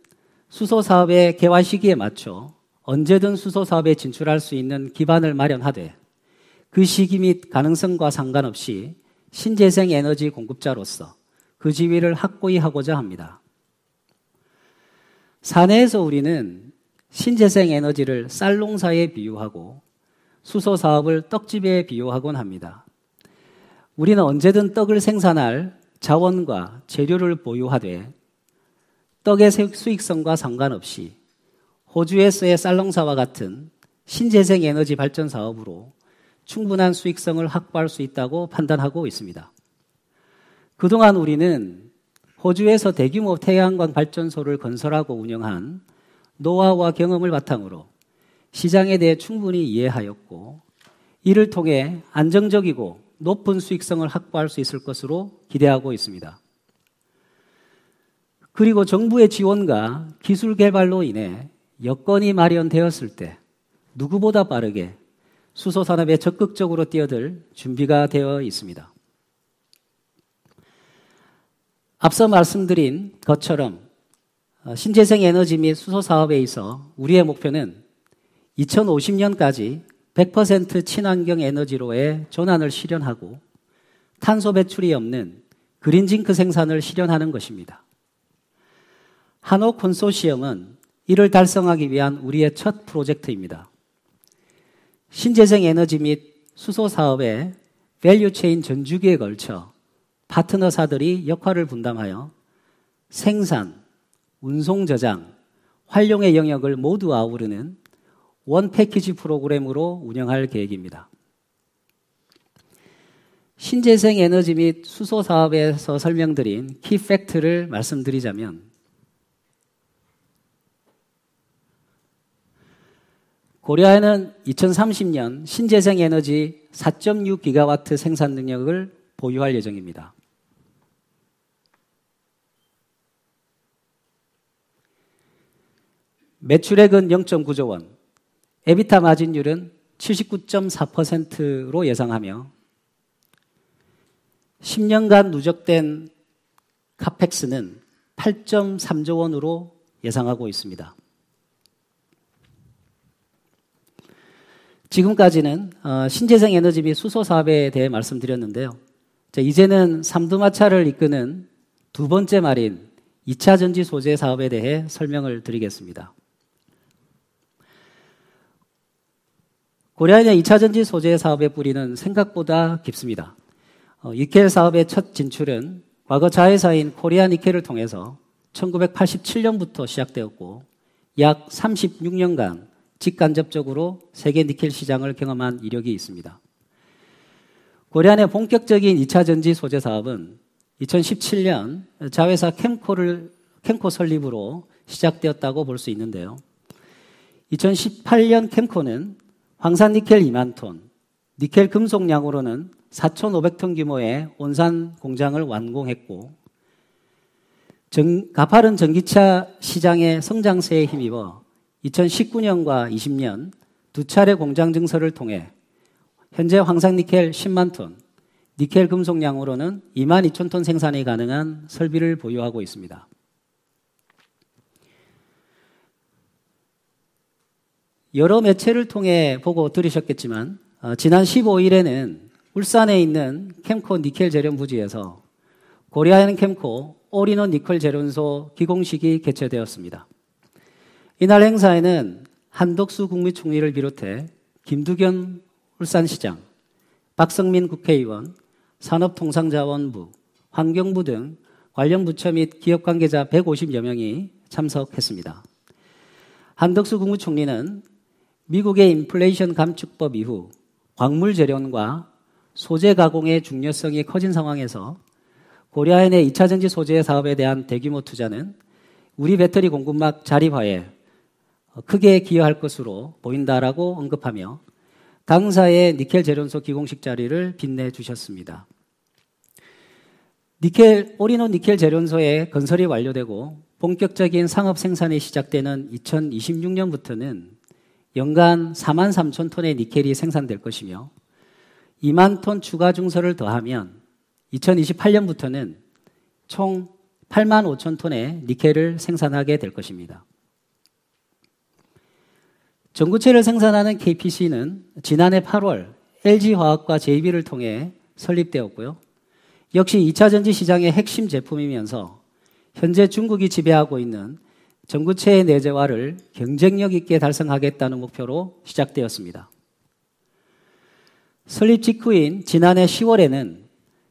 수소 사업의 개화 시기에 맞춰 언제든 수소 사업에 진출할 수 있는 기반을 마련하되, 그 시기 및 가능성과 상관없이 신재생 에너지 공급자로서 그 지위를 확고히 하고자 합니다. 사내에서 우리는 신재생 에너지를 쌀농사에 비유하고 수소 사업을 떡집에 비유하곤 합니다. 우리는 언제든 떡을 생산할 자원과 재료를 보유하되, 떡의 수익성과 상관없이 호주에서의 쌀농사와 같은 신재생 에너지 발전 사업으로 충분한 수익성을 확보할 수 있다고 판단하고 있습니다. 그동안 우리는 호주에서 대규모 태양광 발전소를 건설하고 운영한 노하우와 경험을 바탕으로 시장에 대해 충분히 이해하였고, 이를 통해 안정적이고 높은 수익성을 확보할 수 있을 것으로 기대하고 있습니다. 그리고 정부의 지원과 기술 개발로 인해 여건이 마련되었을 때 누구보다 빠르게 수소 산업에 적극적으로 뛰어들 준비가 되어 있습니다. 앞서 말씀드린 것처럼 신재생 에너지 및 수소 사업에 있어 우리의 목표는 2050년까지 100% 친환경 에너지로의 전환을 실현하고, 탄소 배출이 없는 그린징크 생산을 실현하는 것입니다. 한호 컨소시엄은 이를 달성하기 위한 우리의 첫 프로젝트입니다. 신재생 에너지 및 수소 사업의 밸류체인 전 주기에 걸쳐 파트너사들이 역할을 분담하여 생산, 운송, 저장, 활용의 영역을 모두 아우르는 원패키지 프로그램으로 운영할 계획입니다. 신재생 에너지 및 수소 사업에서 설명드린 키 팩트를 말씀드리자면, 고려아연은 2030년 신재생 에너지 4.6기가와트 생산능력을 보유할 예정입니다. 매출액은 0.9조원, EBITDA 마진율은 79.4%로 예상하며, 10년간 누적된 CAPEX는 8.3조원으로 예상하고 있습니다. 지금까지는 신재생 에너지 및 수소 사업에 대해 말씀드렸는데요. 자, 이제는 삼두마차를 이끄는 두 번째 말인 이차전지 소재 사업에 대해 설명을 드리겠습니다. 고려아연은 이차전지 소재 사업의 뿌리는 생각보다 깊습니다. 니켈 사업의 첫 진출은 과거 자회사인 코리아니켈을 통해서 1987년부터 시작되었고, 약 36년간 직간접적으로 세계 니켈 시장을 경험한 이력이 있습니다. 고려아연의 본격적인 이차전지 소재 사업은 2017년 자회사 캠코 설립으로 시작되었다고 볼수 있는데요. 2018년 캠코는 황산니켈 2만 톤, 니켈 금속량으로는 4,500톤 규모의 온산 공장을 완공했고, 가파른 전기차 시장의 성장세에 힘입어 2019년과 20년 두 차례 공장 증설을 통해 현재 황산니켈 10만 톤, 니켈 금속량으로는 2만 2천 톤 생산이 가능한 설비를 보유하고 있습니다. 여러 매체를 통해 보고 들으셨겠지만, 지난 15일에는 울산에 있는 캠코 니켈 제련 부지에서 고려아연캠코 올인원 니켈 제련소 기공식이 개최되었습니다. 이날 행사에는 한덕수 국무총리를 비롯해 김두겸 울산시장, 박성민 국회의원, 산업통상자원부, 환경부 등 관련 부처 및 기업 관계자 150여명이 참석했습니다. 한덕수 국무총리는 미국의 인플레이션 감축법 이후 광물 제련과 소재 가공의 중요성이 커진 상황에서 고려아연의 이차전지 소재 사업에 대한 대규모 투자는 우리 배터리 공급망 자립화에 크게 기여할 것으로 보인다라고 언급하며, 당사의 니켈 제련소 기공식 자리를 빛내주셨습니다. 니켈 올인원 니켈 제련소의 건설이 완료되고 본격적인 상업 생산이 시작되는 2026년부터는 연간 4만 3천 톤의 니켈이 생산될 것이며, 2만 톤 추가 증설을 더하면 2028년부터는 총 8만 5천 톤의 니켈을 생산하게 될 것입니다. 전구체를 생산하는 케이피씨는 지난해 8월 엘지화학과 JV를 통해 설립되었고요. 역시 이차전지 시장의 핵심 제품이면서 현재 중국이 지배하고 있는 전구체의 내재화를 경쟁력 있게 달성하겠다는 목표로 시작되었습니다. 설립 직후인 지난해 10월에는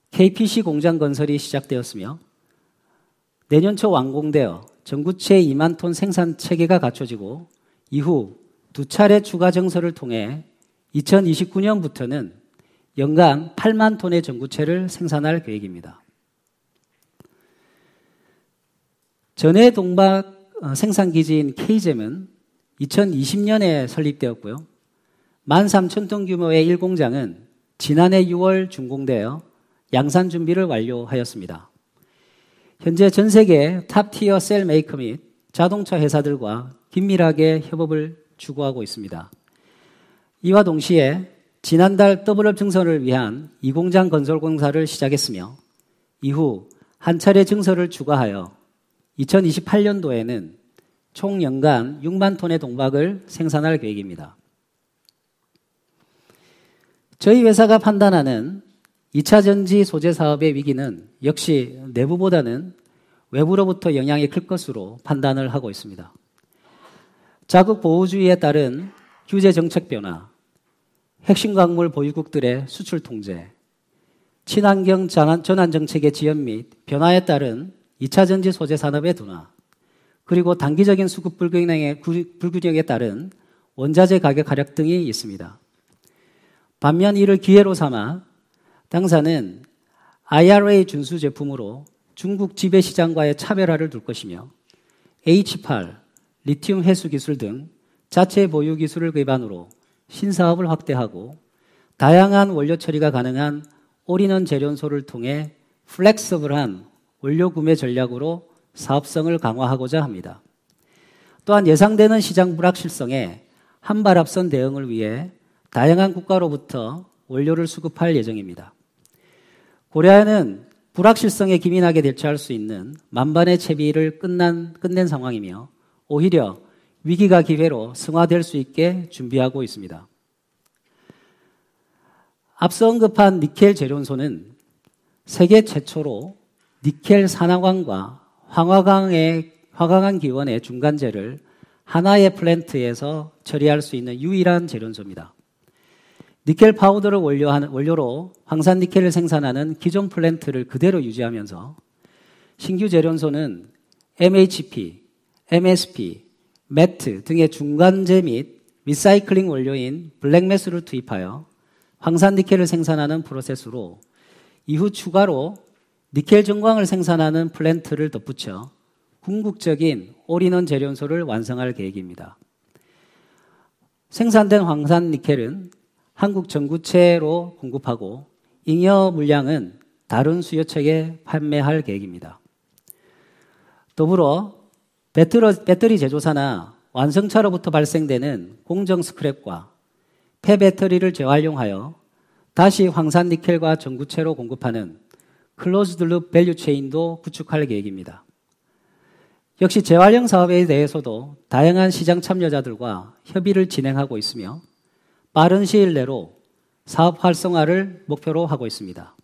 케이피씨 공장 건설이 시작되었으며, 내년 초 완공되어 전구체 2만 톤 생산 체계가 갖춰지고 이후 두 차례 추가 증설을 통해 2029년부터는 연간 8만 톤의 전구체를 생산할 계획입니다. 전해 동박 생산기지인 케이젬은 2020년에 설립되었고요. 1만 3천 톤 규모의 1공장은 지난해 6월 준공되어 양산 준비를 완료하였습니다. 현재 전 세계 탑티어 셀 메이커 및 자동차 회사들과 긴밀하게 협업을 추구하고 있습니다. 이와 동시에 지난달 더블업 증설을 위한 2공장 건설 공사를 시작했으며, 이후 한 차례 증설을 추가하여 2028년도에는 총 연간 6만 톤의 동박을 생산할 계획입니다. 저희 회사가 판단하는 이차전지 소재 사업의 위기는 역시 내부보다는 외부로부터 영향이 클 것으로 판단을 하고 있습니다. 자국 보호주의에 따른 규제 정책 변화, 핵심 광물 보유국들의 수출 통제, 친환경 전환 정책의 지연 및 변화에 따른 이차전지 소재 산업의 둔화, 그리고 단기적인 수급 불균형에 따른 원자재 가격 하락 등이 있습니다. 반면 이를 기회로 삼아 당사는 IRA 준수 제품으로 중국 지배 시장과의 차별화를 둘 것이며, H2O2, 리튬 회수 기술 등 자체 보유 기술을 기반으로 신사업을 확대하고, 다양한 원료 처리가 가능한 올인원 제련소를 통해 플렉서블한 원료 구매 전략으로 사업성을 강화하고자 합니다. 또한 예상되는 시장 불확실성에 한발 앞선 대응을 위해 다양한 국가로부터 원료를 수급할 예정입니다. 고려아연은 불확실성에 기민하게 대처할 수 있는 만반의 채비를 끝낸 상황이며, 오히려 위기가 기회로 승화될 수 있게 준비하고 있습니다. 앞서 언급한 니켈 제련소는 세계 최초로 니켈 산화광과 황화광의 중간재를 하나의 플랜트에서 처리할 수 있는 유일한 제련소입니다. 니켈 파우더를 원료로 황산 니켈을 생산하는 기존 플랜트를 그대로 유지하면서 신규 제련소는 MHP, MSP, 매트 등의 중간재 및 리사이클링 원료인 블랙 매스를 투입하여 황산 니켈을 생산하는 프로세스로, 이후 추가로 니켈 정광을 생산하는 플랜트를 덧붙여 궁극적인 올인원 제련소를 완성할 계획입니다. 생산된 황산 니켈은 한국 전구체로 공급하고, 잉여 물량은 다른 수요처에 판매할 계획입니다. 더불어 배터리 제조사나 완성차로부터 발생되는 공정 스크랩과 폐배터리를 재활용하여 다시 황산 니켈과 전구체로 공급하는 클로즈드 루프 밸류체인도 구축할 계획입니다. 역시 재활용 사업에 대해서도 다양한 시장 참여자들과 협의를 진행하고 있으며, 빠른 시일 내로 사업 활성화를 목표로 하고 있습니다.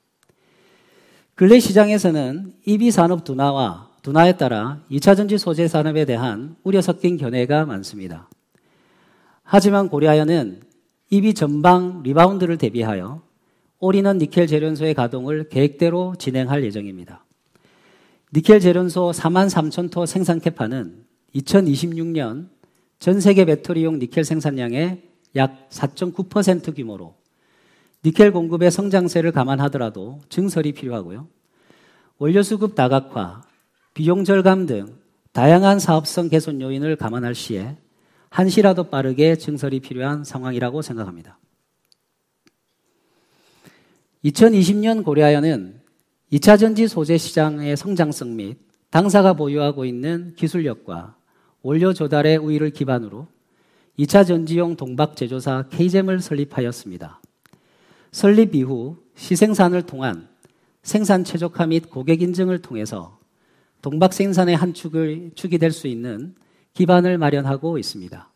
근래 시장에서는 EV 산업 둔화에 따라 이차전지 소재 산업에 대한 우려 섞인 견해가 많습니다. 하지만 고려아연은 EV 전방 리바운드를 대비하여 올인원 니켈 제련소의 가동을 계획대로 진행할 예정입니다. 니켈 제련소 4만 3천 톤 생산 캐파는 2026년 전 세계 배터리용 니켈 생산량의 약 4.9% 규모로, 니켈 공급의 성장세를 감안하더라도 증설이 필요하고요. 원료 수급 다각화, 비용 절감 등 다양한 사업성 개선 요인을 감안할 시에 한시라도 빠르게 증설이 필요한 상황이라고 생각합니다. 2020년 고려아연은 이차전지 소재 시장의 성장성 및 당사가 보유하고 있는 기술력과 원료 조달의 우위를 기반으로 이차전지용 동박 제조사 케이젬을 설립하였습니다. 설립 이후 시생산을 통한 생산 최적화 및 고객 인증을 통해서 동박 생산의 한 축이 될수 있는 기반을 마련하고 있습니다.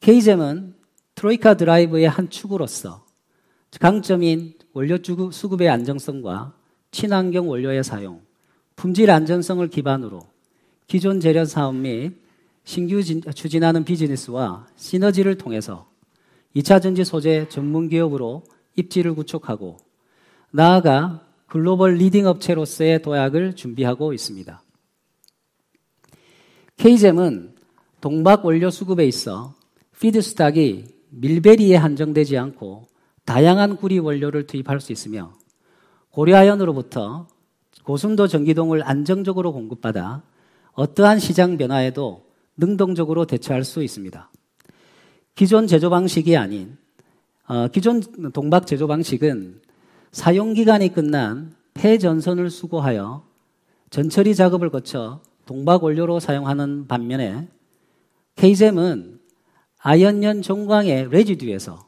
케이젬은 트로이카 드라이브의 한 축으로서 강점인 원료 수급의 안정성과 친환경 원료의 사용, 품질 안전성을 기반으로 기존 제련 사업 및 신규 추진하는 비즈니스와 시너지를 통해서 이차전지 소재 전문 기업으로 입지를 구축하고, 나아가 글로벌 리딩 업체로서의 도약을 준비하고 있습니다. 케이젬은 동박 원료 수급에 있어 피드 스탁이 밀베리에 한정되지 않고 다양한 구리 원료를 투입할 수 있으며, 고려아연으로부터 고순도 전기동을 안정적으로 공급받아 어떠한 시장 변화에도 능동적으로 대처할 수 있습니다. 기존 동박 제조 방식은 사용 기간이 끝난 폐 전선을 수거하여 전처리 작업을 거쳐 동박 원료로 사용하는 반면에, 케이젬은 아연 정광의 레지듀에서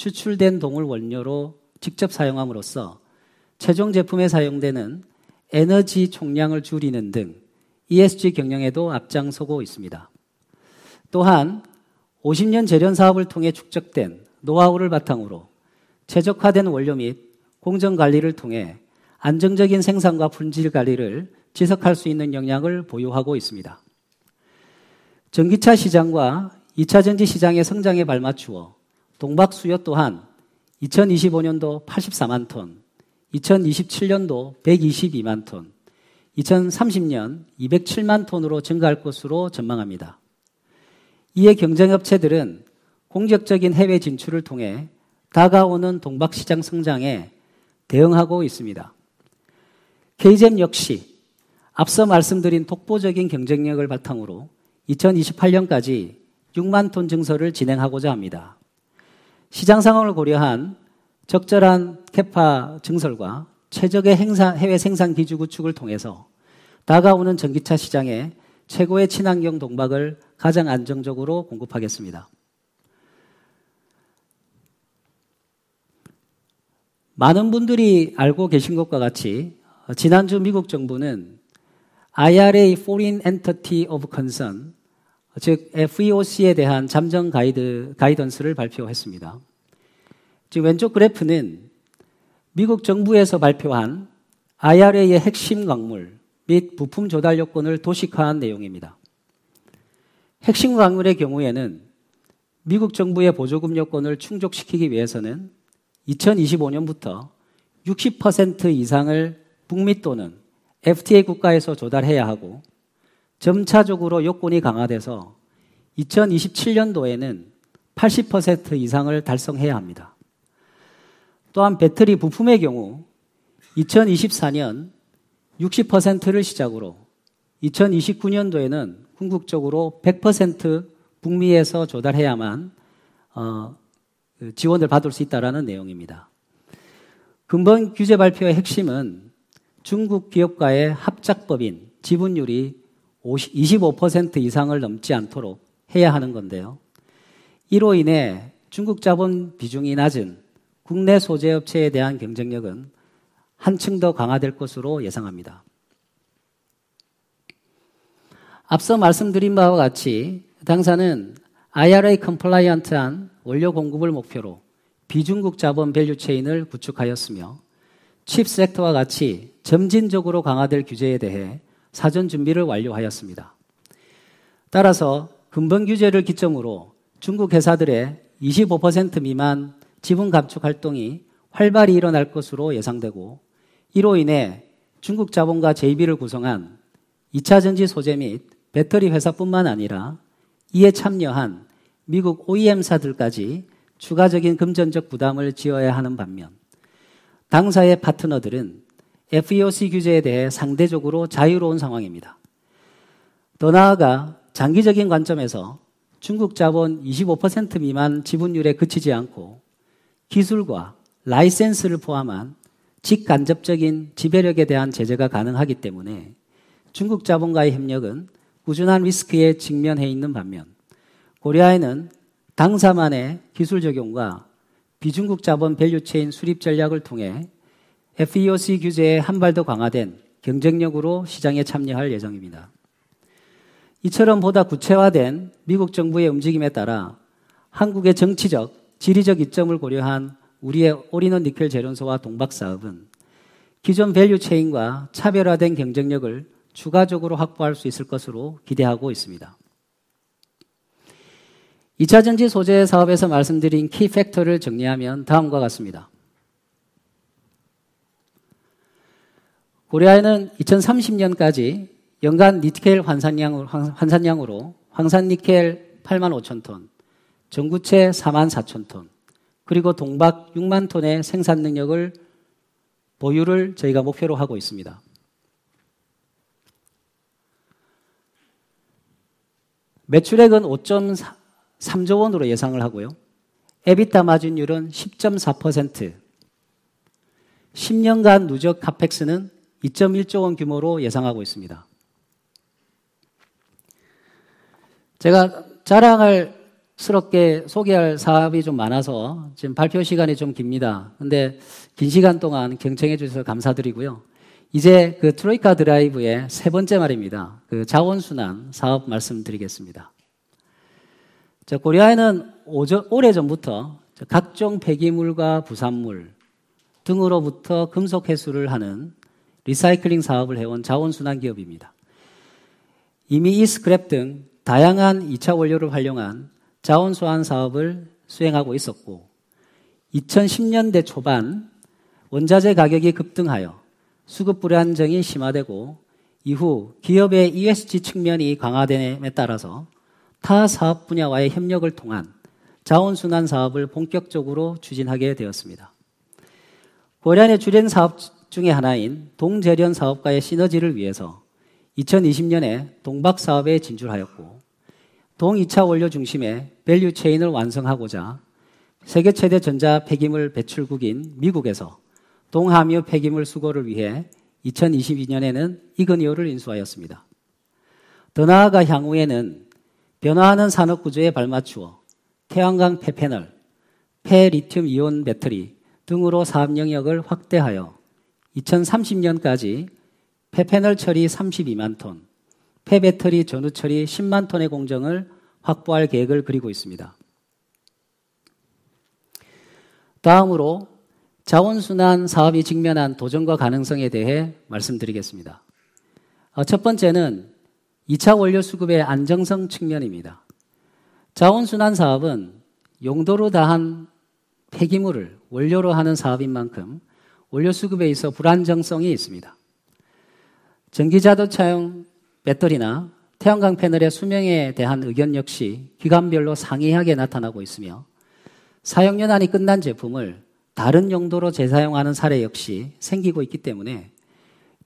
추출된 동을 원료로 직접 사용함으로써 최종 제품에 사용되는 에너지 총량을 줄이는 등 ESG 경영에도 앞장서고 있습니다. 또한 50년 제련 사업을 통해 축적된 노하우를 바탕으로 최적화된 원료 및 공정 관리를 통해 안정적인 생산과 품질 관리를 지속할 수 있는 역량을 보유하고 있습니다. 전기차 시장과 이차전지 시장의 성장에 발맞추어 동박 수요 또한 2025년도 84만 톤, 2027년도 122만 톤, 2030년 207만 톤으로 증가할 것으로 전망합니다. 이에 경쟁 업체들은 공격적인 해외 진출을 통해 다가오는 동박 시장 성장에 대응하고 있습니다. 케이젬 역시 앞서 말씀드린 독보적인 경쟁력을 바탕으로 2028년까지 6만 톤 증설을 진행하고자 합니다. 시장 상황을 고려한 적절한 캐파 증설과 최적의 해외 생산 기지 구축을 통해서 다가오는 전기차 시장에 최고의 친환경 동박을 가장 안정적으로 공급하겠습니다. 많은 분들이 알고 계신 것과 같이 지난주 미국 정부는 IRA Foreign Entity of Concern, 즉 FEOC에 대한 잠정 가이던스를 발표했습니다. 지금 왼쪽 그래프는 미국 정부에서 발표한 IRA의 핵심 광물 및 부품 조달 요건을 도식화한 내용입니다. 핵심 광물의 경우에는 미국 정부의 보조금 요건을 충족시키기 위해서는 2025년부터 60% 이상을 북미 또는 FTA 국가에서 조달해야 하고, 점차적으로 요건이 강화돼서 2027년도에는 80% 이상을 달성해야 합니다. 또한 배터리 부품의 경우 2024년 60%를 시작으로 2029년도에는 궁극적으로 100% 북미에서 조달해야만 지원을 받을 수 있다라는 내용입니다. 금번 규제 발표의 핵심은 중국 기업과의 합작법인 지분율이 25% 이상을 넘지 않도록 해야 하는 건데요. 이로 인해 중국 자본 비중이 낮은 국내 소재 업체에 대한 경쟁력은 한층 더 강화될 것으로 예상합니다. 앞서 말씀드린 바와 같이 당사는 IRA 컴플라이언트한 원료 공급을 목표로 비중국 자본 밸류체인을 구축하였으며, 칩 섹터와 같이 점진적으로 강화될 규제에 대해 사전 준비를 완료하였습니다. 따라서 금번 규제를 기점으로 중국 회사들의 25% 미만 지분 감축 활동이 활발히 일어날 것으로 예상되고, 이로 인해 중국 자본과 JV를 구성한 이차전지 소재 및 배터리 회사뿐만 아니라 이에 참여한 미국 OEM사들까지 추가적인 금전적 부담을 져야 하는 반면, 당사의 파트너들은 FEOC 규제에 대해 상대적으로 자유로운 상황입니다. 더 나아가 장기적인 관점에서 중국 자본 25% 미만 지분율에 그치지 않고, 기술과 라이센스를 포함한 직간접적인 지배력에 대한 제재가 가능하기 때문에 중국 자본과의 협력은 꾸준한 리스크에 직면해 있는 반면, 고려아연은 당사만의 기술 적용과 비중국 자본 밸류체인 수립 전략을 통해 FEOC 규제의 한발더 강화된 경쟁력으로 시장에 참여할 예정입니다. 이처럼 보다 구체화된 미국 정부의 움직임에 따라 한국의 정치적, 지리적 이점을 고려한 우리의 올인원 니켈 제련소와 동박 사업은 기존 밸류체인과 차별화된 경쟁력을 추가적으로 확보할 수 있을 것으로 기대하고 있습니다. 이차전지 소재 사업에서 말씀드린 키 팩터를 정리하면 다음과 같습니다. 고려아연은 2030년까지 연간 니켈 환산량으로 황산니켈 8만 5천 톤, 전구체 4만 4천 톤, 그리고 동박 6만 톤의 생산능력을 보유를 저희가 목표로 하고 있습니다. 매출액은 5.3조원으로 예상을 하고요. EBITDA 마진율은 10.4%, 10년간 누적 CAPEX는 2.1조원 규모로 예상하고 있습니다. 제가 자랑스럽게 소개할 사업이 좀 많아서 지금 발표 시간이 좀 깁니다. 근데 긴 시간 동안 경청해 주셔서 감사드리고요. 이제 그 트로이카 드라이브의 세 번째 말입니다. 그 자원 순환 사업 말씀드리겠습니다. 고려아연은 오래전부터 각종 폐기물과 부산물 등으로부터 금속 회수를 하는 리사이클링 사업을 해온 자원순환 기업입니다. 이미 이 스크랩 등 다양한 이차 원료를 활용한 자원 순환 사업을 수행하고 있었고, 2010년대 초반 원자재 가격이 급등하여 수급 불안정이 심화되고, 이후 기업의 ESG 측면이 강화됨에 따라서 타 사업 분야와의 협력을 통한 자원 순환 사업을 본격적으로 추진하게 되었습니다. 올한해 주된 사업 중에 하나인 동제련 사업과의 시너지를 위해서 2020년에 동박 사업에 진출하였고, 동 이차 원료 중심의 밸류체인을 완성하고자 세계 최대 전자 폐기물 배출국인 미국에서 동함유 폐기물 수거를 위해 2022년에는 이그니오를 인수하였습니다. 더 나아가 향후에는 변화하는 산업 구조에 발맞추어 태양광 폐패널, 폐 리튬이온 배터리 등으로 사업 영역을 확대하여 2030년까지 폐패널 처리 32만 톤, 폐배터리 전후 처리 10만 톤의 공정을 확보할 계획을 그리고 있습니다. 다음으로 자원순환 사업이 직면한 도전과 가능성에 대해 말씀드리겠습니다. 첫 번째는 이차 원료 수급의 안정성 측면입니다. 자원순환 사업은 용도를 다한 폐기물을 원료로 하는 사업인 만큼 원료 수급에 있어 불안정성이 있습니다. 전기자동차용 배터리나 태양광 패널의 수명에 대한 의견 역시 기관별로 상이하게 나타나고 있으며, 사용 연한이 끝난 제품을 다른 용도로 재사용하는 사례 역시 생기고 있기 때문에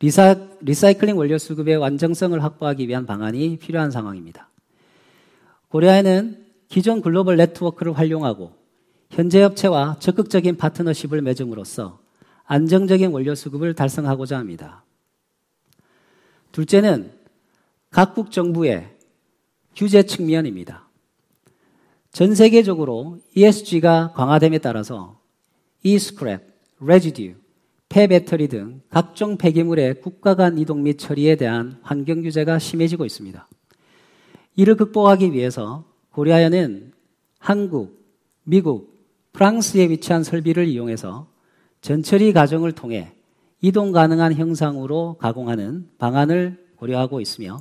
리사이클링 원료 수급의 안정성을 확보하기 위한 방안이 필요한 상황입니다. 고려아연은 기존 글로벌 네트워크를 활용하고, 현재 업체와 적극적인 파트너십을 맺음으로써 안정적인 원료 수급을 달성하고자 합니다. 둘째는 각국 정부의 규제 측면입니다. 전 세계적으로 ESG가 강화됨에 따라서 e-scrap, residue, 폐배터리 등 각종 폐기물의 국가 간 이동 및 처리에 대한 환경 규제가 심해지고 있습니다. 이를 극복하기 위해서 고려아연은 한국, 미국, 프랑스에 위치한 설비를 이용해서 전처리 과정을 통해 이동 가능한 형상으로 가공하는 방안을 고려하고 있으며,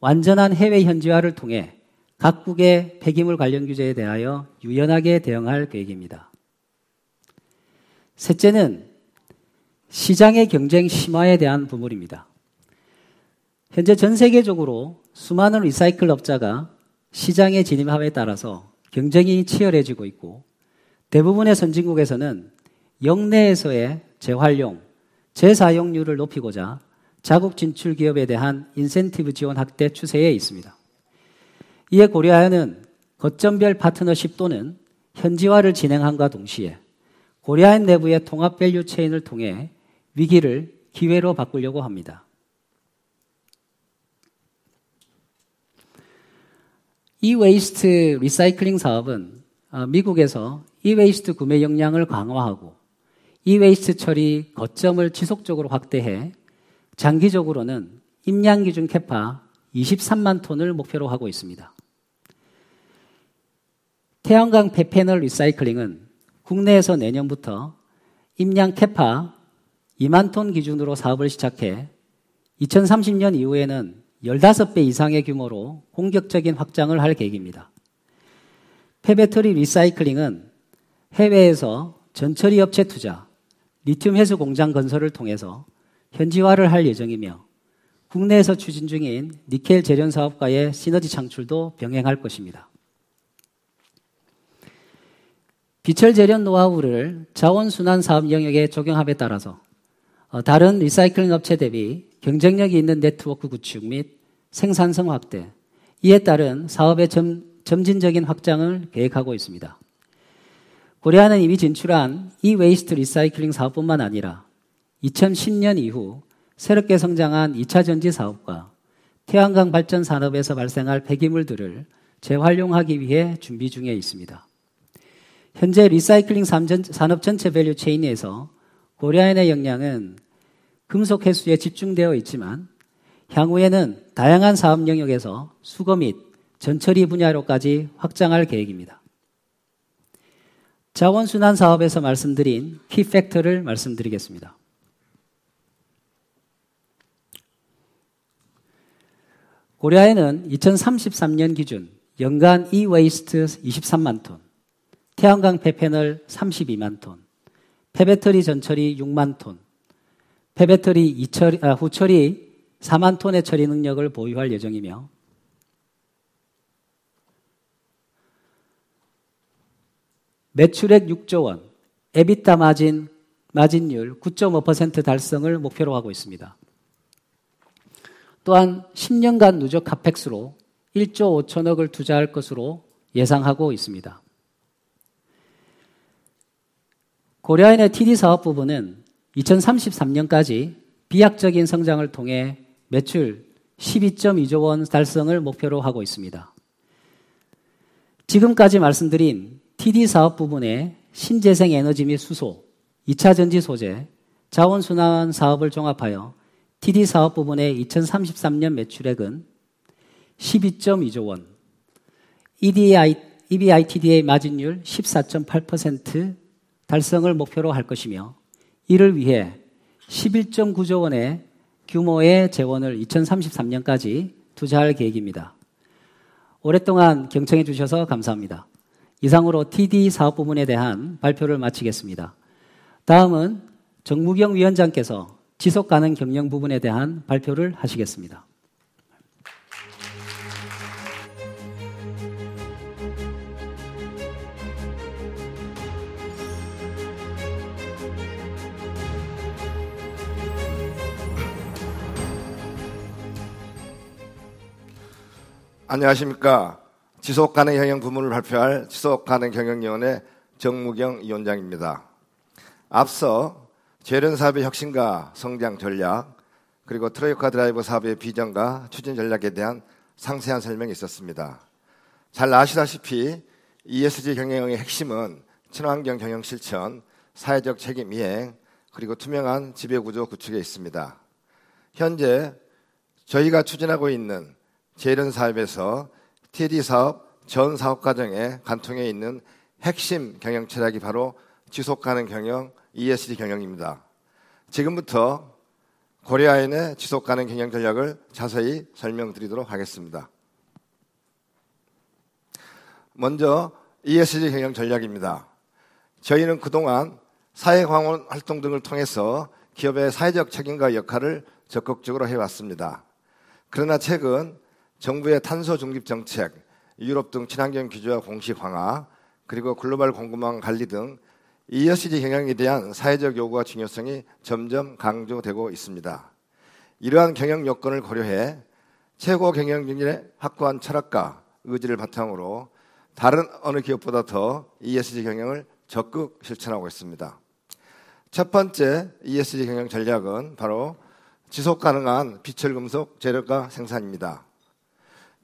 완전한 해외 현지화를 통해 각국의 폐기물 관련 규제에 대하여 유연하게 대응할 계획입니다. 셋째는 시장의 경쟁 심화에 대한 부분입니다. 현재 전 세계적으로 수많은 리사이클 업자가 시장에 진입함에 따라서 경쟁이 치열해지고 있고, 대부분의 선진국에서는 역내에서의 재활용, 재사용률을 높이고자 자국 진출 기업에 대한 인센티브 지원 확대 추세에 있습니다. 이에 고려아연은 거점별 파트너십 또는 현지화를 진행함과 동시에 고려아연 내부의 통합 밸류체인을 통해 위기를 기회로 바꾸려고 합니다. e-waste 리사이클링 사업은 미국에서 e-waste 구매 역량을 강화하고, e-waste 처리 거점을 지속적으로 확대해 장기적으로는 입량 기준 캐파 23만 톤을 목표로 하고 있습니다. 태양광 폐패널 리사이클링은 국내에서 내년부터 입량 캐파 2만 톤 기준으로 사업을 시작해 2030년 이후에는 15배 이상의 규모로 공격적인 확장을 할 계획입니다. 폐배터리 리사이클링은 해외에서 전처리 업체 투자, 리튬 회수 공장 건설을 통해서 현지화를 할 예정이며, 국내에서 추진 중인 니켈 제련 사업과의 시너지 창출도 병행할 것입니다. 비철 제련 노하우를 자원순환 사업 영역에 적용함에 따라서 다른 리사이클링 업체 대비 경쟁력이 있는 네트워크 구축 및 생산성 확대, 이에 따른 사업의 점진적인 확장을 계획하고 있습니다. 고려아연은 이미 진출한 e-waste 리사이클링 사업뿐만 아니라 2010년 이후 새롭게 성장한 이차전지 사업과 태양광 발전 산업에서 발생할 폐기물들을 재활용하기 위해 준비 중에 있습니다. 현재 리사이클링 산업 전체 밸류체인에서 고려아연의 역량은 금속 회수에 집중되어 있지만, 향후에는 다양한 사업 영역에서 수거 및 전처리 분야로까지 확장할 계획입니다. 자원순환 사업에서 말씀드린 키 팩터를 말씀드리겠습니다. 고려아연은 2033년 기준 연간 e-waste 23만 톤, 태양광 폐패널 32만 톤, 폐배터리 전처리 6만 톤, 폐배터리 후처리 4만 톤의 처리 능력을 보유할 예정이며, 매출액 6조원, EBITDA 마진율 9.5% 달성을 목표로 하고 있습니다. 또한 10년간 누적 CAPEX로 1조 5천억을 투자할 것으로 예상하고 있습니다. 고려아연의 TD 사업 부문은 2033년까지 비약적인 성장을 통해 매출 12.2조원 달성을 목표로 하고 있습니다. 지금까지 말씀드린 TD 사업 부문의 신재생 에너지 및 수소, 이차전지 소재, 자원순환 사업을 종합하여 TD 사업 부문의 2033년 매출액은 12.2조원, EBITDA 마진율 14.8% 달성을 목표로 할 것이며, 이를 위해 11.9조원의 규모의 재원을 2033년까지 투자할 계획입니다. 오랫동안 경청해 주셔서 감사합니다. 이상으로 TD 사업 부문에 대한 발표를 마치겠습니다. 다음은 정무경 위원장께서 지속가능 경영 부문에 대한 발표를 하시겠습니다. 안녕하십니까? 지속가능 경영 부문을 발표할 지속가능경영위원회 정무경 위원장입니다. 앞서 제련 사업의 혁신과 성장 전략, 그리고 트로이카 드라이브 사업의 비전과 추진 전략에 대한 상세한 설명이 있었습니다. 잘 아시다시피 ESG 경영의 핵심은 친환경 경영 실천, 사회적 책임 이행, 그리고 투명한 지배구조 구축에 있습니다. 현재 저희가 추진하고 있는 제련 사업에서 TD 사업 전 사업 과정에 관통해 있는 핵심 경영 전략이 바로 지속가능 경영, ESG 경영입니다. 지금부터 고려아연의 지속가능 경영 전략을 자세히 설명드리도록 하겠습니다. 먼저 ESG 경영 전략입니다. 저희는 그동안 사회 공헌 활동 등을 통해서 기업의 사회적 책임과 역할을 적극적으로 해왔습니다. 그러나 최근 정부의 탄소중립 정책, 유럽 등 친환경 규제와 정책 강화, 그리고 글로벌 공급망 관리 등 ESG 경영에 대한 사회적 요구와 중요성이 점점 강조되고 있습니다. 이러한 경영 여건을 고려해 최고경영진의 확고한 철학과 의지를 바탕으로 다른 어느 기업보다 더 ESG 경영을 적극 실천하고 있습니다. 첫 번째 ESG 경영 전략은 바로 지속 가능한 비철금속 제련과 생산입니다.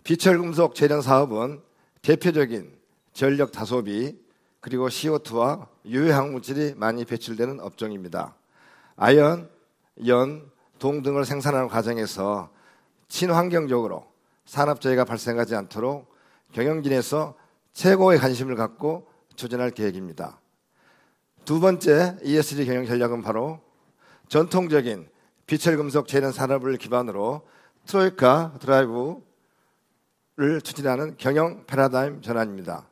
비철금속 제련 사업은 대표적인 전력 다소비 그리고 CO2와 유해 화학물질이 많이 배출되는 업종입니다. 아연, 연, 동 등을 생산하는 과정에서 친환경적으로 산업재해가 발생하지 않도록 경영진에서 최고의 관심을 갖고 추진할 계획입니다. 두 번째 ESG 경영 전략은 바로 전통적인 비철금속 제련 산업을 기반으로 트로이카 드라이브를 추진하는 경영 패러다임 전환입니다.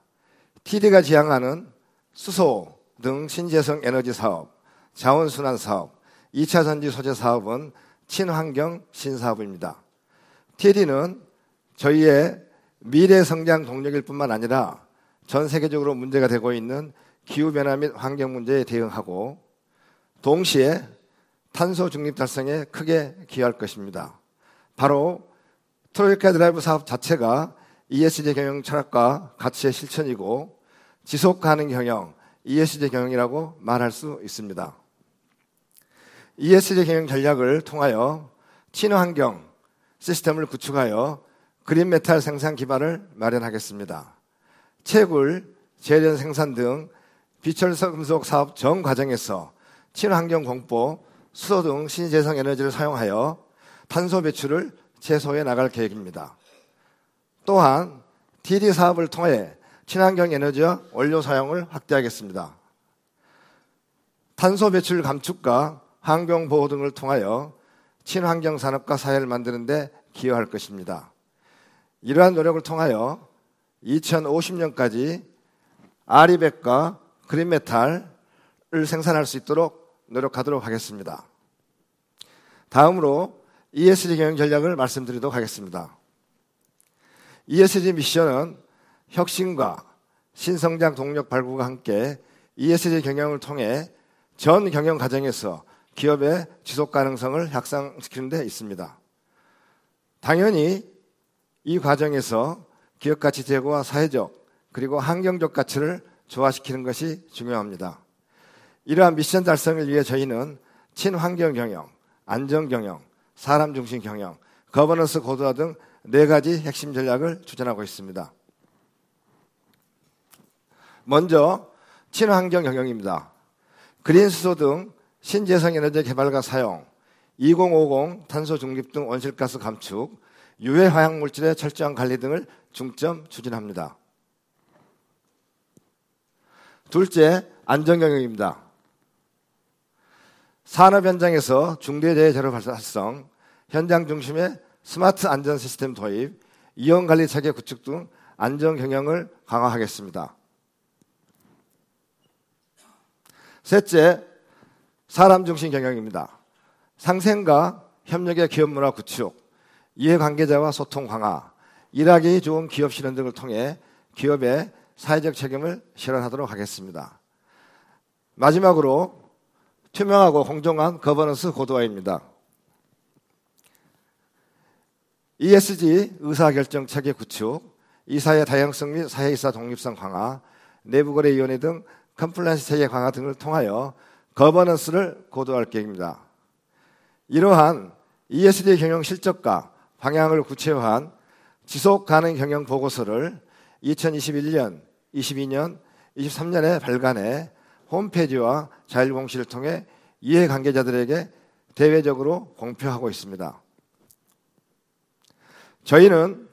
TD가 지향하는 수소 등 신재생 에너지 사업, 자원순환 사업, 이차전지 소재 사업은 친환경 신사업입니다. TD는 저희의 미래 성장 동력일 뿐만 아니라 전 세계적으로 문제가 되고 있는 기후변화 및 환경 문제에 대응하고, 동시에 탄소중립 달성에 크게 기여할 것입니다. 바로 트로이카 드라이브 사업 자체가 ESG 경영 철학과 가치의 실천이고, 지속가능 경영, ESG 경영이라고 말할 수 있습니다. ESG 경영 전략을 통하여 친환경 시스템을 구축하여 그린 메탈 생산 기반을 마련하겠습니다. 채굴, 제련, 생산 등 비철금속 사업 전 과정에서 친환경 공법, 수소 등 신재생 에너지를 사용하여 탄소 배출을 최소화해 나갈 계획입니다. 또한 TD 사업을 통해 친환경 에너지와 원료 사용을 확대하겠습니다. 탄소 배출 감축과 환경 보호 등을 통하여 친환경 산업과 사회를 만드는 데 기여할 것입니다. 이러한 노력을 통하여 2050년까지 RE100과 그린 메탈을 생산할 수 있도록 노력하도록 하겠습니다. 다음으로 ESG 경영 전략을 말씀드리도록 하겠습니다. ESG 미션은 혁신과 신성장 동력 발굴과 함께 ESG 경영을 통해 전 경영 과정에서 기업의 지속가능성을 향상시키는 데 있습니다. 당연히 이 과정에서 기업 가치 제고와 사회적 그리고 환경적 가치를 조화시키는 것이 중요합니다. 이러한 미션 달성을 위해 저희는 친환경 경영, 안전 경영, 사람 중심 경영, 거버넌스 고도화 등네 가지 핵심 전략을 추진하고 있습니다. 먼저 친환경 경영입니다. 그린수소 등 신재생에너지 개발과 사용, 2050 탄소중립 등 온실가스 감축, 유해 화학물질의 철저한 관리 등을 중점 추진합니다. 둘째, 안전 경영입니다. 산업 현장에서 중대재해 사고 발생, 현장 중심의 스마트 안전 시스템 도입, 위험관리 체계 구축 등 안전 경영을 강화하겠습니다. 셋째, 사람 중심 경영입니다. 상생과 협력의 기업문화 구축, 이해관계자와 소통 강화, 일하기 좋은 기업 실현 등을 통해 기업의 사회적 책임을 실현하도록 하겠습니다. 마지막으로 투명하고 공정한 거버넌스 고도화입니다. ESG 의사결정 체계 구축, 이사의 다양성 및 사외이사 독립성 강화, 내부거래위원회 등 컴플라이언스 체계 강화 등을 통하여 거버넌스를 고도화할 계획입니다. 이러한 ESG 경영 실적과 방향을 구체화한 지속가능경영 보고서를 2021년, 22년, 23년에 발간해 홈페이지와 자율공시를 통해 이해관계자들에게 대외적으로 공표하고 있습니다. 저희는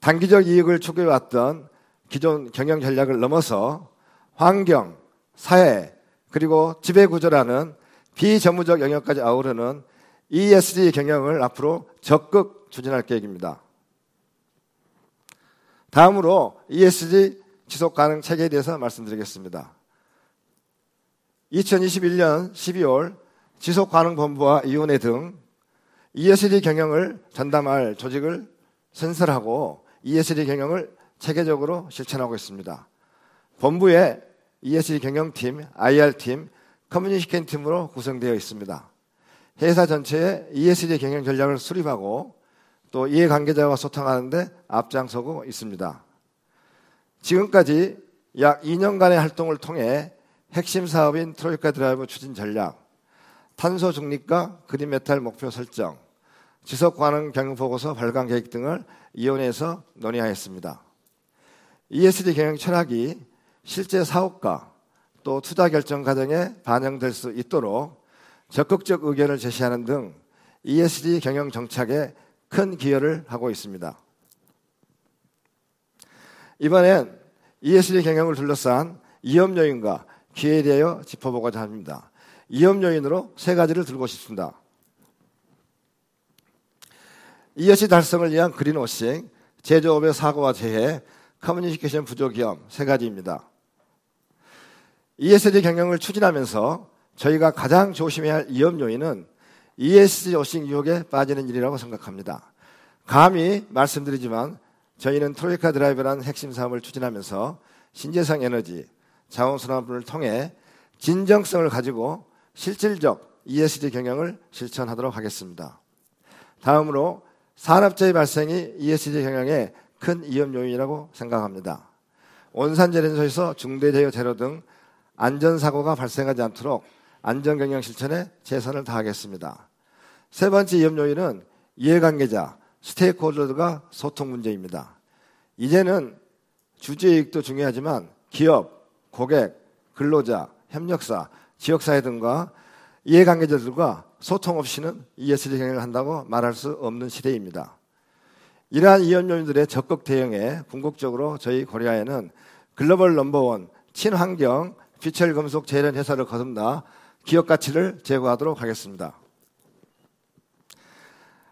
단기적 이익을 추구해 왔던 기존 경영 전략을 넘어서 환경, 사회 그리고 지배구조라는 비재무적 영역까지 아우르는 ESG 경영을 앞으로 적극 추진할 계획입니다. 다음으로 ESG 지속가능 체계에 대해서 말씀드리겠습니다. 2021년 12월, 지속가능본부와 위원회 등 ESG 경영을 전담할 조직을 신설하고, ESG 경영을 체계적으로 실천하고 있습니다. 본부에 ESG 경영팀, IR팀, 커뮤니케이션팀으로 구성되어 있습니다. 회사 전체의 ESG 경영 전략을 수립하고, 또 이해관계자와 소통하는 데 앞장서고 있습니다. 지금까지 약 2년간의 활동을 통해 핵심 사업인 트로이카 드라이버 추진 전략, 탄소중립과 그린 메탈 목표 설정, 지속 가능 경영 보고서 발간 계획 등을 위원회에서 논의하였습니다. ESG 경영 철학이 실제 사업과 또 투자 결정 과정에 반영될 수 있도록 적극적 의견을 제시하는 등 ESG 경영 정착에 큰 기여를 하고 있습니다. 이번엔 ESG 경영을 둘러싼 위험 요인과 기회에 대하여 짚어보고자 합니다. 위험 요인으로 세 가지를 들고 싶습니다. ESG 달성을 위한 그린 워싱, 제조업의 사고와 재해, 커뮤니케이션 부족 위험 세 가지입니다. ESG 경영을 추진하면서 저희가 가장 조심해야 할 위험 요인은 ESG 워싱 유혹에 빠지는 일이라고 생각합니다. 감히 말씀드리지만, 저희는 트로이카 드라이버라는 핵심 사업을 추진하면서 신재생 에너지, 자원순환을 통해 진정성을 가지고 실질적 ESG 경영을 실천하도록 하겠습니다. 다음으로 산업재해 발생이 ESG 경영에 큰 위험 요인이라고 생각합니다. 온산제련소에서 중대재해 재료 등 안전사고가 발생하지 않도록 안전 경영 실천에 최선을 다하겠습니다. 세 번째 위험 요인은 이해관계자, 스테이크 홀더들과 소통 문제입니다. 이제는 주주 이익도 중요하지만, 기업, 고객, 근로자, 협력사, 지역사회 등과 이해관계자들과 소통 없이는 ESG 경영을 한다고 말할 수 없는 시대입니다. 이러한 위험 요인들에 적극 대응에 궁극적으로 저희 고려아연은 글로벌 넘버원 친환경 비철금속 제련 회사로 거듭나 기업 가치를 제고하도록 하겠습니다.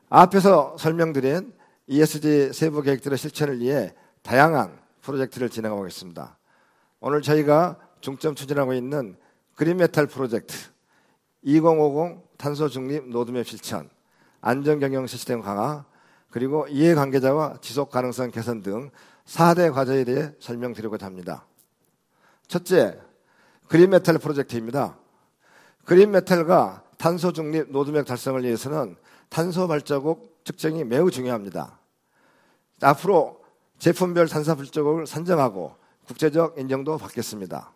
앞에서 설명드린 ESG 세부 계획들의 실천을 위해 다양한 프로젝트를 진행하고 있습니다. 오늘 저희가 중점 추진하고 있는 그린 메탈 프로젝트, 2050 탄소중립 로드맵 실천, 안전경영 시스템 강화, 그리고 이해관계자와 지속가능성 개선 등 4대 과제에 대해 설명드리고자 합니다. 첫째, 그린 메탈 프로젝트입니다. 그린 메탈과 탄소중립 로드맵 달성을 위해서는 탄소 발자국 측정이 매우 중요합니다. 앞으로 제품별 탄소 발자국을 산정하고 국제적 인정도 받겠습니다.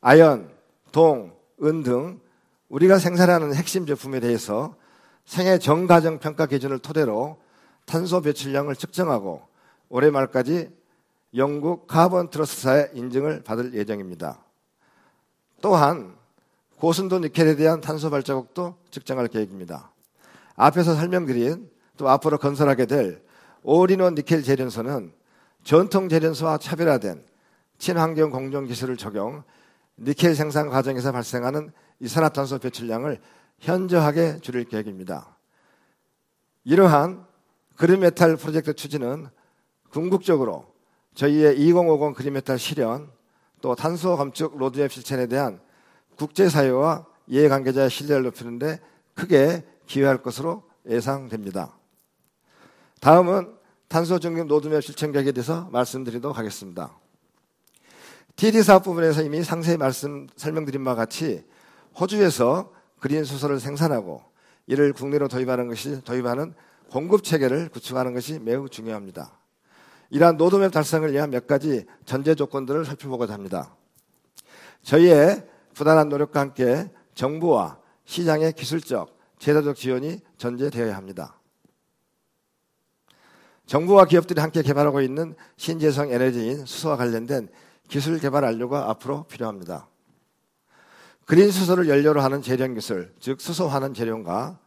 아연, 동, 은등 우리가 생산하는 핵심 제품에 대해서 생애 전 과정 평가 기준을 토대로 탄소 배출량을 측정하고, 올해 말까지 영국 카본 트러스트 사의 인증을 받을 예정입니다. 또한 고순도 니켈에 대한 탄소 발자국도 측정할 계획입니다. 앞에서 설명드린 또 앞으로 건설하게 될 올인원 니켈 제련소는 전통 제련소와 차별화된 친환경 공정 기술을 적용, 니켈 생산 과정에서 발생하는 이산화탄소 배출량을 현저하게 줄일 계획입니다. 이러한 그린 메탈 프로젝트 추진은 궁극적으로 저희의 2050 그린 메탈 실현, 또 탄소 감축 로드맵 실천에 대한 국제사회와 이해관계자의 신뢰를 높이는 데 크게 기여할 것으로 예상됩니다. 다음은 탄소중립 로드맵 실천 계획에 대해서 말씀드리도록 하겠습니다. TD 사업 부문에서 이미 상세히 말씀 설명드린 바와 같이 호주에서 그린 수소를 생산하고 이를 국내로 도입하는 것이, 도입하는 공급 체계를 구축하는 것이 매우 중요합니다. 이러한 로드맵 달성을 위한 몇 가지 전제조건들을 살펴보고자 합니다. 저희의 부단한 노력과 함께 정부와 시장의 기술적, 제도적 지원이 전제되어야 합니다. 정부와 기업들이 함께 개발하고 있는 신재생 에너지인 수소와 관련된 기술 개발 완료가 앞으로 필요합니다. 그린 수소를 연료로 하는 제련 기술, 즉 수소 환원 제련과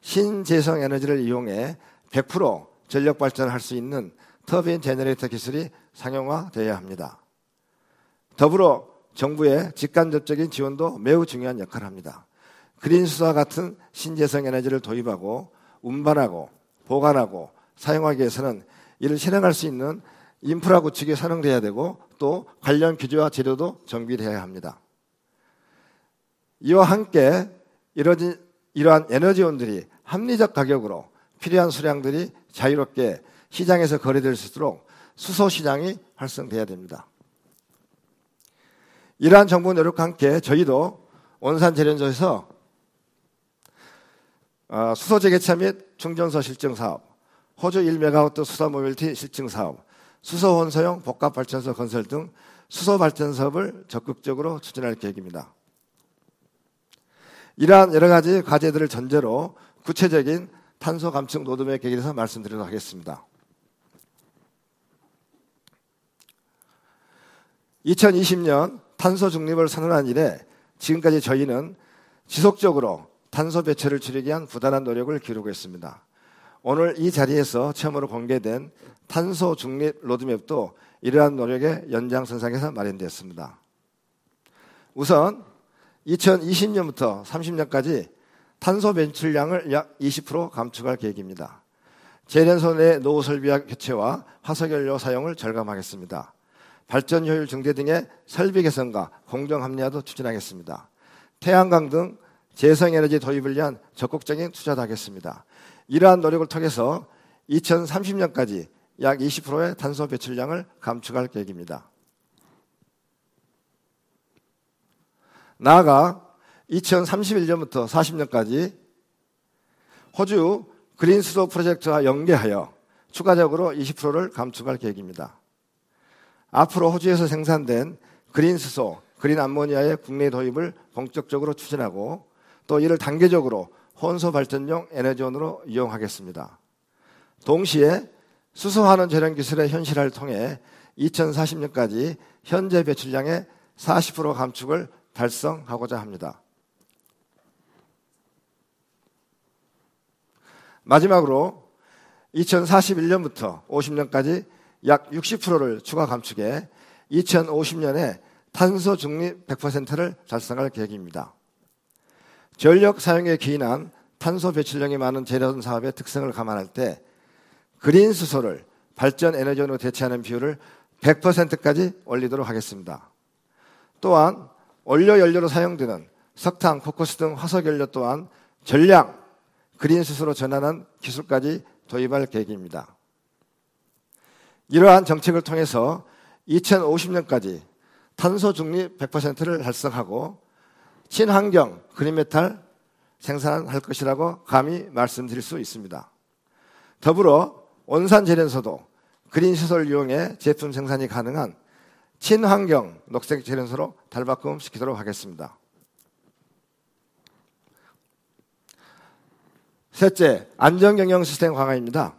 신재생 에너지를 이용해 100% 전력 발전을 할수 있는 터빈 제너레이터 기술이 상용화되어야 합니다. 더불어 정부의 직간접적인 지원도 매우 중요한 역할을 합니다. 그린 수소와 같은 신재생 에너지를 도입하고, 운반하고, 보관하고, 사용하기 위해서는 이를 실행할 수 있는 인프라 구축이 선행돼야 되고, 또 관련 규제와 제도도 정비돼야 합니다. 이와 함께 이러한 에너지원들이 합리적 가격으로 필요한 수량들이 자유롭게 시장에서 거래될 수 있도록 수소시장이 활성화돼야 됩니다. 이러한 정부 노력과 함께 저희도 온산제련소에서 수소 재개차 및 충전소 실증 사업, 호주 1MW 수소 모빌리티 실증 사업, 수소 혼소용 복합발전소 건설 등 수소 발전 사업을 적극적으로 추진할 계획입니다. 이러한 여러 가지 과제들을 전제로 구체적인 탄소 감축 로드맵에 대해서 말씀드리도록 하겠습니다. 2020년 탄소중립을 선언한 이래, 지금까지 저희는 지속적으로 탄소 배출을 줄이기 위한 부단한 노력을 기울이고 있습니다. 오늘 이 자리에서 처음으로 공개된 탄소중립 로드맵도 이러한 노력의 연장선상에서 마련되었습니다. 우선 2020년부터 30년까지 탄소 배출량을 약 20% 감축할 계획입니다. 제련소 내의 노후 설비 교체와 화석 연료 사용을 절감하겠습니다. 발전 효율 증대 등의 설비 개선과 공정 합리화도 추진하겠습니다. 태양광 등 재생 에너지 도입을 위한 적극적인 투자도 하겠습니다. 이러한 노력을 통해서 2030년까지 약 20%의 탄소 배출량을 감축할 계획입니다. 나아가 2031년부터 40년까지 호주 그린수소 프로젝트와 연계하여 추가적으로 20%를 감축할 계획입니다. 앞으로 호주에서 생산된 그린수소, 그린암모니아의 국내 도입을 본격적으로 추진하고, 또 이를 단계적으로 혼소 발전용 에너지원으로 이용하겠습니다. 동시에 수소 환원 제련 기술의 현실화를 통해 2040년까지 현재 배출량의 40% 감축을 달성하고자 합니다. 마지막으로 2041년부터 50년까지 약 60%를 추가 감축해 2050년에 탄소중립 100%를 달성할 계획입니다. 전력 사용에 기인한 탄소 배출량이 많은 제련 사업의 특성을 감안할 때, 그린수소를 발전 에너지원으로 대체하는 비율을 100%까지 올리도록 하겠습니다. 또한 원료 연료로 사용되는 석탄, 코크스 등 화석 연료 또한 전량 그린수소로 전환하는 기술까지 도입할 계획입니다. 이러한 정책을 통해서 2050년까지 탄소중립 100%를 달성하고 친환경 그린메탈 생산할 것이라고 감히 말씀드릴 수 있습니다. 더불어 온산제련소도 그린수소를 이용해 제품 생산이 가능한 친환경 녹색 제련소로 탈바꿈시키도록 하겠습니다. 셋째, 안전 경영 시스템 강화입니다.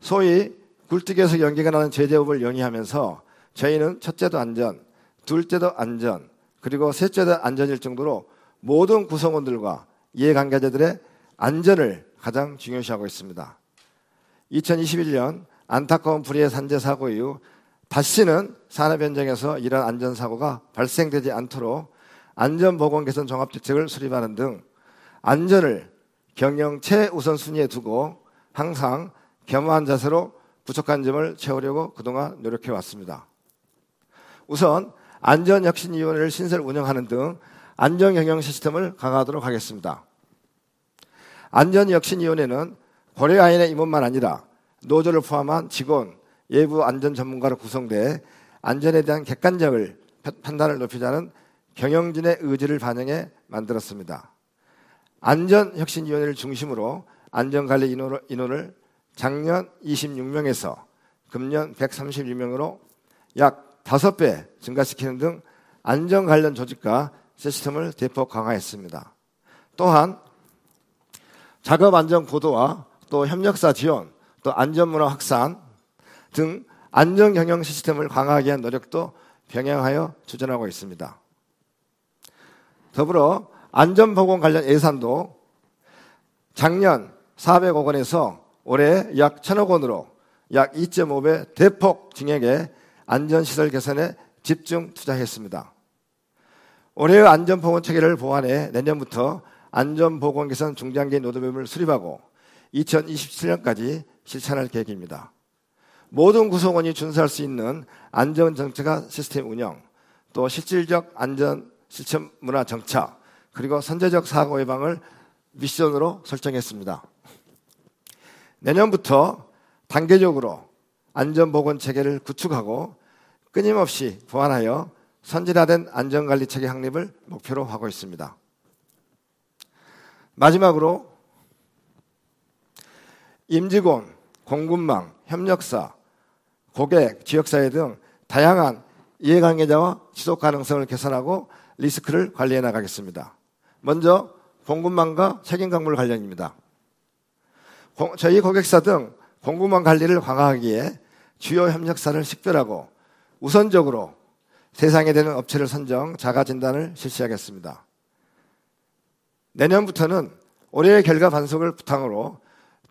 소위 굴뚝에서 연기가 나는 제조업을 영위하면서 저희는 첫째도 안전, 둘째도 안전, 그리고 셋째도 안전일 정도로 모든 구성원들과 이해관계자들의 안전을 가장 중요시하고 있습니다. 2021년 안타까운 불의의 산재 사고 이후 다시는 산업 현장에서 이러한 안전사고가 발생되지 않도록 안전보건개선 종합대책을 수립하는 등 안전을 경영 최우선 순위에 두고 항상 겸허한 자세로 부족한 점을 채우려고 그동안 노력해 왔습니다. 우선 안전혁신위원회를 신설, 운영하는 등 안전 경영 시스템을 강화하도록 하겠습니다. 안전혁신위원회는 고려아연의 임원만 아니라 노조를 포함한 직원, 외부 안전 전문가로 구성돼 안전에 대한 객관성을, 판단을 높이자는 경영진의 의지를 반영해 만들었습니다. 안전혁신위원회를 중심으로 안전관리 인원을 작년 26명에서 금년 131명으로 약 5배 증가시키는 등 안전 관련 조직과 시스템을 대폭 강화했습니다. 또한 작업 안전 보도와 또 협력사 지원, 또 안전문화 확산 등 안전 경영 시스템을 강화하기 위한 노력도 병행하여 추진하고 있습니다. 더불어 안전보건 관련 예산도 작년 400억 원에서 올해 약 1,000억 원으로 약 2.5배 대폭 증액해 안전시설 개선에 집중 투자했습니다. 올해의 안전보건 체계를 보완해 내년부터 안전보건개선 중장기 로드맵을 수립하고 2027년까지 실천할 계획입니다. 모든 구성원이 준수할 수 있는 안전 정책과 시스템 운영, 또 실질적 안전 시스템 문화 정착 그리고 선제적 사고 예방을 미션으로 설정했습니다. 내년부터 단계적으로 안전보건 체계를 구축하고, 끊임없이 보완하여 선진화된 안전관리체계 확립을 목표로 하고 있습니다. 마지막으로, 임직원, 공급망, 협력사, 고객, 지역사회 등 다양한 이해관계자와 지속 가능성을 개선하고 리스크를 관리해 나가겠습니다. 먼저 공급망과 책임 광물 관련입니다. 저희 고객사 등 공급망 관리를 강화하기 위해 주요 협력사를 식별하고, 우선적으로 대상이 되는 업체를 선정, 자가진단을 실시하겠습니다. 내년부터는 올해의 결과 반성을 바탕으로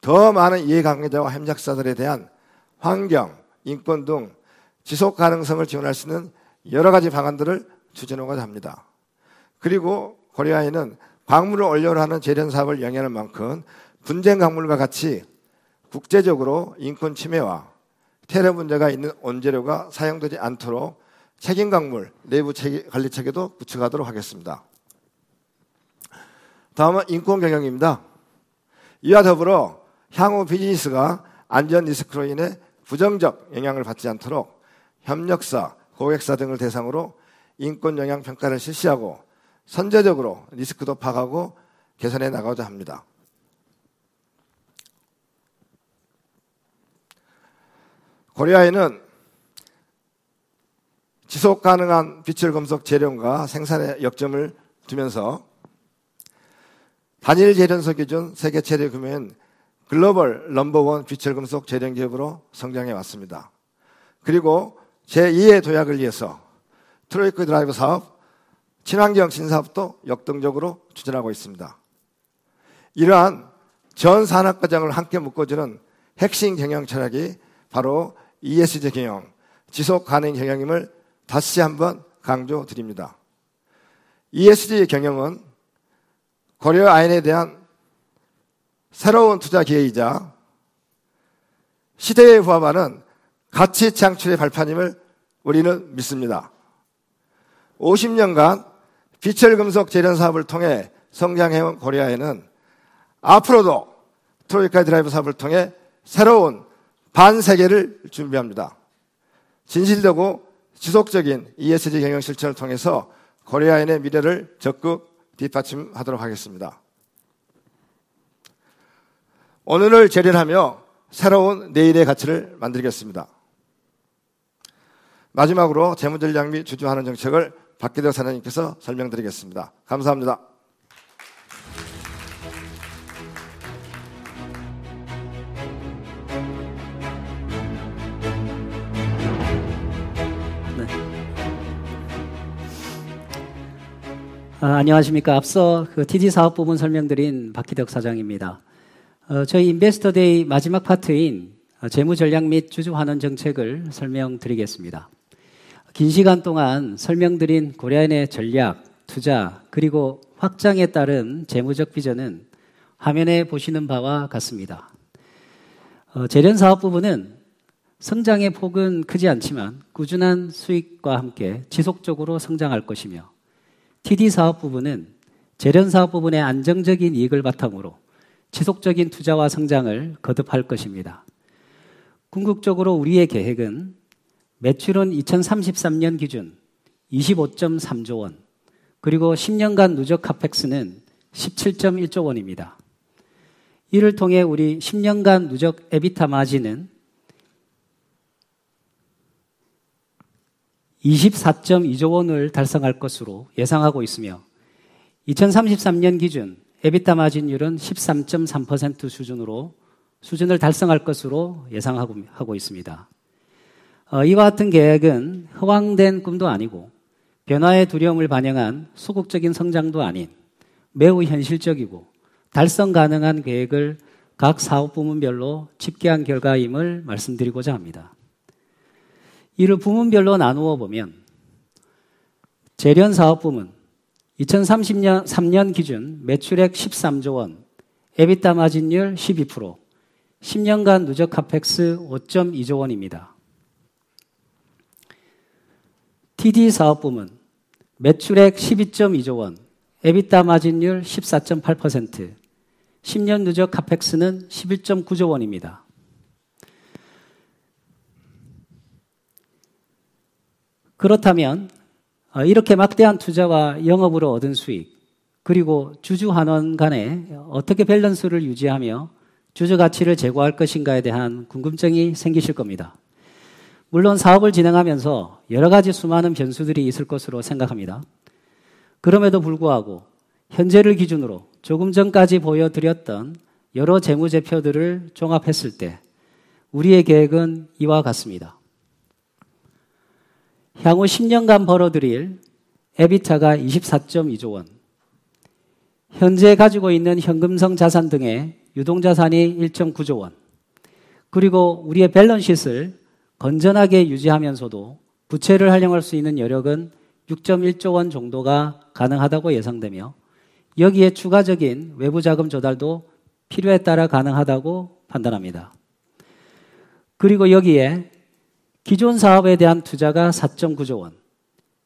더 많은 이해관계자와 협력사들에 대한 환경, 인권 등 지속 가능성을 지원할 수 있는 여러 가지 방안들을 추진하고자 합니다. 그리고 고려아연은 광물을 원료로 하는 제련 사업을 영위하는 만큼, 분쟁 광물과 같이 국제적으로 인권 침해와 테러 문제가 있는 원재료가 사용되지 않도록 책임 광물 내부 체계, 관리 체계도 구축하도록 하겠습니다. 다음은 인권 경영입니다. 이와 더불어 향후 비즈니스가 안전 리스크로 인해 부정적 영향을 받지 않도록 협력사, 고객사 등을 대상으로 인권 영향 평가를 실시하고, 선제적으로 리스크도 파악하고 개선해 나가고자 합니다. 고려아연은 지속 가능한 비철금속 제련과 생산에 역점을 두면서, 단일 제련소 기준 세계 최대 규모인 글로벌 넘버원 비철금속 제련 기업으로 성장해 왔습니다. 그리고 제2의 도약을 위해서 트로이카 드라이버 사업, 친환경 신사업도 역동적으로 추진하고 있습니다. 이러한 전 산업 과정을 함께 묶어주는 핵심 경영 전략이 바로 ESG 경영, 지속 가능 경영임을 다시 한번 강조드립니다. ESG 경영은 고려아연에 대한 새로운 투자 기회이자 시대에 부합하는 가치 창출의 발판임을 우리는 믿습니다. 50년간 비철금속 제련 사업을 통해 성장해 온 고려아연은 앞으로도 트로이카 드라이버 사업을 통해 새로운 반세기를 준비합니다. 진실되고 지속적인 ESG 경영 실천을 통해서 고려아연의 미래를 적극 뒷받침하도록 하겠습니다. 오늘을 제련하며 새로운 내일의 가치를 만들겠습니다. 마지막으로 재무전략 및 주주환원 정책을 박기덕 사장님께서 설명드리겠습니다. 감사합니다. 안녕하십니까? 앞서 그 TD 사업부문 설명드린 박기덕 사장입니다. 저희 인베스터 데이 마지막 파트인 재무전략 및 주주환원 정책을 설명드리겠습니다. 긴 시간 동안 설명드린 고려아연의 전략, 투자, 그리고 확장에 따른 재무적 비전은 화면에 보시는 바와 같습니다. 제련 사업 부문은 성장의 폭은 크지 않지만, 꾸준한 수익과 함께 지속적으로 성장할 것이며, TD 사업 부문은 제련 사업 부문의 안정적인 이익을 바탕으로 지속적인 투자와 성장을 거듭할 것입니다. 궁극적으로 우리의 계획은 매출은 2033년 기준 25.3조 원, 그리고 10년간 누적 CAPEX는 17.1조 원입니다. 이를 통해 우리 10년간 누적 EBITDA 마진은 24.2조 원을 달성할 것으로 예상하고 있으며, 2033년 기준 EBITDA 마진율은 13.3% 수준을 달성할 것으로 예상하고 있습니다. 이와 같은 계획은 허황된 꿈도 아니고, 변화의 두려움을 반영한 소극적인 성장도 아닌, 매우 현실적이고 달성 가능한 계획을 각 사업 부문별로 집계한 결과임을 말씀드리고자 합니다. 이를 부문별로 나누어 보면, 제련 사업 부문 2033년 기준 매출액 13조 원, EBITDA 마진율 12%, 10년간 누적 CAPEX 5.2조 원입니다. TD 사업부문 매출액 12.2조 원, EBITDA 마진율 14.8%, 10년 누적 CAPEX는 11.9조 원입니다. 그렇다면 이렇게 막대한 투자와 영업으로 얻은 수익, 그리고 주주환원 간에 어떻게 밸런스를 유지하며 주주 가치를 제고할 것인가에 대한 궁금증이 생기실 겁니다. 물론 사업을 진행하면서 여러 가지 수많은 변수들이 있을 것으로 생각합니다. 그럼에도 불구하고 현재를 기준으로 조금 전까지 보여드렸던 여러 재무제표들을 종합했을 때 우리의 계획은 이와 같습니다. 향후 10년간 벌어들일 EBITDA가 24.2조 원, 현재 가지고 있는 현금성 자산 등의 유동자산이 1.9조 원, 그리고 우리의 밸런스 시트를 건전하게 유지하면서도 부채를 활용할 수 있는 여력은 6.1조 원 정도가 가능하다고 예상되며, 여기에 추가적인 외부 자금 조달도 필요에 따라 가능하다고 판단합니다. 그리고 여기에 기존 사업에 대한 투자가 4.9조 원,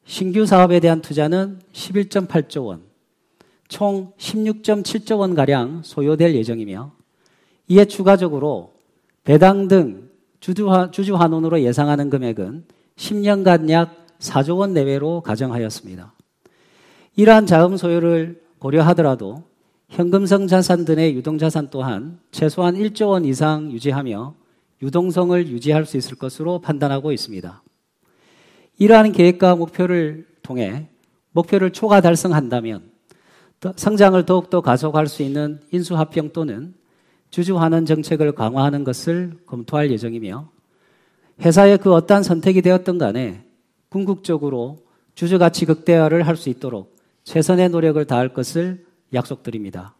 신규 사업에 대한 투자는 11.8조 원, 총 16.7조 원 가량 소요될 예정이며, 이에 추가적으로 배당 등 주주환원으로 예상하는 금액은 10년간 약 4조 원 내외로 가정하였습니다. 이러한 자금 소요를 고려하더라도 현금성 자산 등의 유동자산 또한 최소한 1조 원 이상 유지하며 유동성을 유지할 수 있을 것으로 판단하고 있습니다. 이러한 계획과 목표를 통해 목표를 초과 달성한다면, 성장을 더욱더 가속할 수 있는 인수합병 또는 주주환원 정책을 강화하는 것을 검토할 예정이며, 회사의 그 어떠한 선택이 되었든 간에 궁극적으로 주주가치 극대화를 할수 있도록 최선의 노력을 다할 것을 약속드립니다.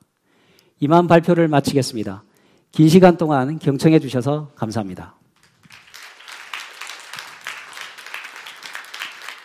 이만 발표를 마치겠습니다. 긴 시간 동안 경청해 주셔서 감사합니다.